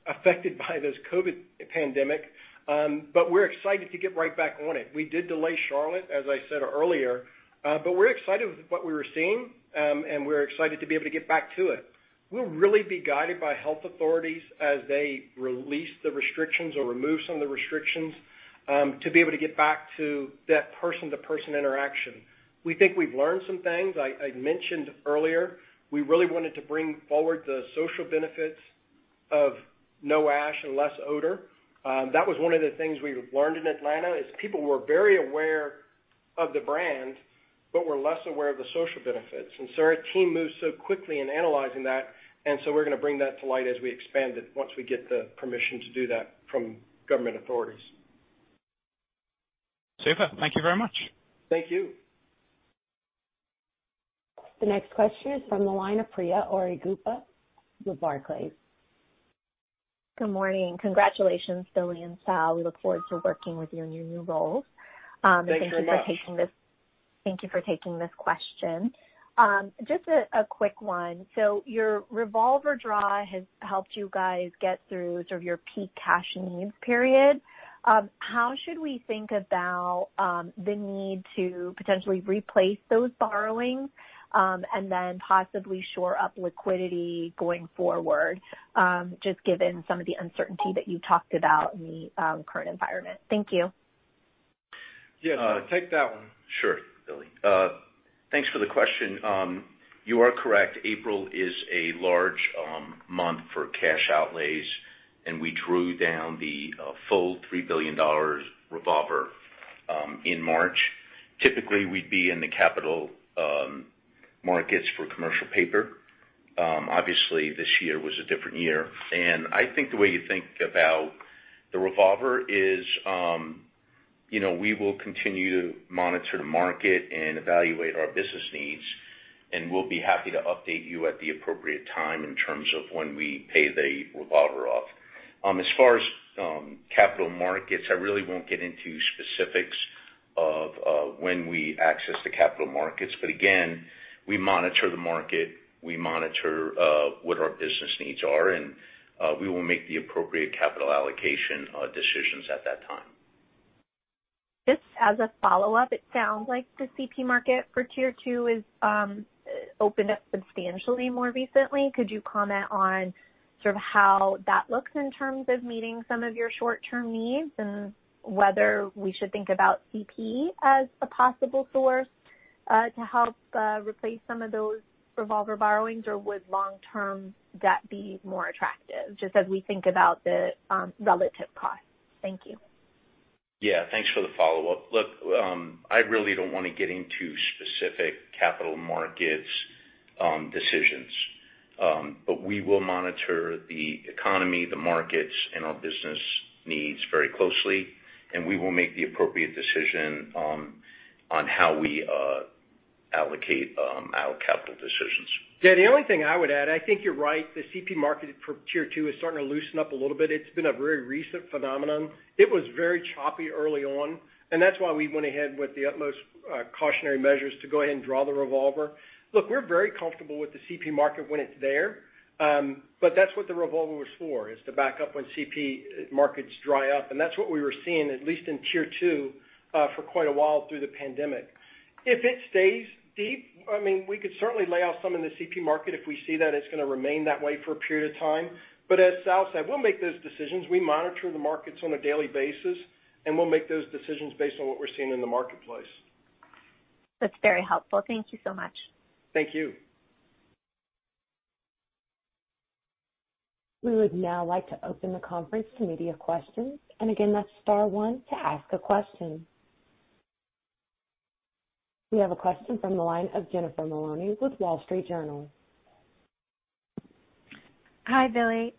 affected by this COVID-19 pandemic. We're excited to get right back on it. We did delay Charlotte, as I said earlier. We're excited with what we were seeing, and we're excited to be able to get back to it. We'll really be guided by health authorities as they release the restrictions or remove some of the restrictions to be able to get back to that person-to-person interaction. We think we've learned some things. I mentioned earlier, we really wanted to bring forward the social benefits of no ash and less odor. That was one of the things we learned in Atlanta, is people were very aware of the brand but were less aware of the social benefits. Our team moved so quickly in analyzing that, and so we're gonna bring that to light as we expand it, once we get the permission to do that from government authorities. Super. Thank you very much. Thank you. The next question is from the line of Priya Ohri-Gupta with Barclays. Good morning. Congratulations, Billy and Sal. We look forward to working with you in your new roles. Thanks very much. Thank you for taking this question. Just a quick one. Your revolver draw has helped you guys get through your peak cash needs period. How should we think about the need to potentially replace those borrowings and then possibly shore up liquidity going forward just given some of the uncertainty that you talked about in the current environment? Thank you. Yeah. Take that one. Sure, Billy. Thanks for the question. You are correct, April is a large month for cash outlays, and we drew down the full $3 billion revolver in March. Typically, we'd be in the capital markets for commercial paper. Obviously, this year was a different year. I think the way you think about the revolver is we will continue to monitor the market and evaluate our business needs, and we'll be happy to update you at the appropriate time in terms of when we pay the revolver off. As far as capital markets, I really won't get into specifics of when we access the capital markets. Again, we monitor the market, we monitor what our business needs are, and we will make the appropriate capital allocation decisions at that time. Just as a follow-up, it sounds like the CP market for tier 2 has opened up substantially more recently. Could you comment on how that looks in terms of meeting some of your short-term needs, and whether we should think about CP as a possible source to help replace some of those revolver borrowings or would long-term debt be more attractive just as we think about the relative cost? Thank you. Yeah, thanks for the follow-up. Look, I really don't want to get into specific capital markets decisions. We will monitor the economy, the markets, and our business needs very closely, and we will make the appropriate decision on how we allocate our capital decisions. Yeah, the only thing I would add, I think you're right. The CP market for tier 2 is starting to loosen up a little bit. It's been a very recent phenomenon. It was very choppy early on, and that's why we went ahead with the utmost cautionary measures to go ahead and draw the revolver. Look, we're very comfortable with the CP market when it's there. That's what the revolver was for, is to back up when CP markets dry up. That's what we were seeing, at least in tier 2, for quite a while through the pandemic. If it stays deep, we could certainly lay off some in the CP market if we see that it's going to remain that way for a period of time. As Sal said, we'll make those decisions. We monitor the markets on a daily basis, and we'll make those decisions based on what we're seeing in the marketplace. That's very helpful. Thank you so much. Thank you. We would now like to open the conference to media questions. Again, that's star one to ask a question. We have a question from the line of Jennifer Maloney with Wall Street Journal. Hi, Billy.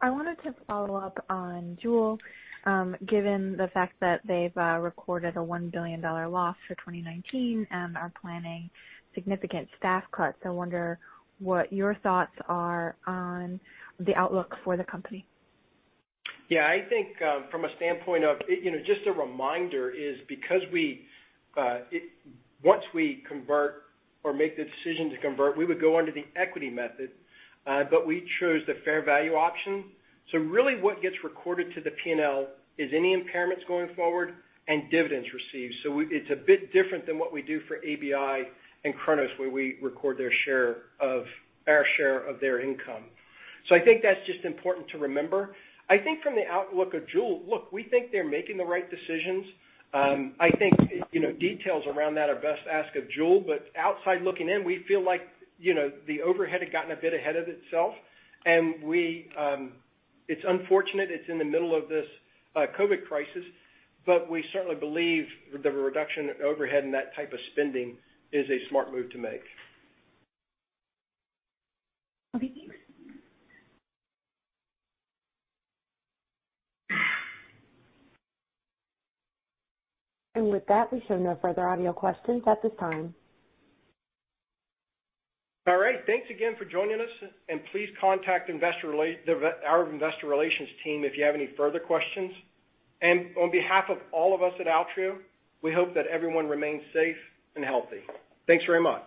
I wanted to follow up on JUUL. Given the fact that they've recorded a $1 billion loss for 2019 and are planning significant staff cuts, I wonder what your thoughts are on the outlook for the company. Yeah, I think from a standpoint of, just a reminder is because once we convert or make the decision to convert, we would go under the equity method. We chose the fair value option. Really what gets recorded to the P&L is any impairments going forward and dividends received. It's a bit different than what we do for ABI and Cronos, where we record our share of their income. I think that's just important to remember. I think from the outlook of JUUL, look, we think they're making the right decisions. I think details around that are best asked of JUUL. Outside looking in, we feel like the overhead had gotten a bit ahead of itself. It's unfortunate it's in the middle of this COVID crisis, but we certainly believe the reduction in overhead and that type of spending is a smart move to make. Okay. Thanks. With that, we show no further audio questions at this time. All right. Thanks again for joining us, and please contact our investor relations team if you have any further questions. On behalf of all of us at Altria, we hope that everyone remains safe and healthy. Thanks very much.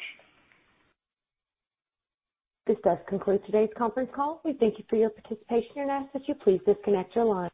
This does conclude today's conference call. We thank you for your participation and ask that you please disconnect your line.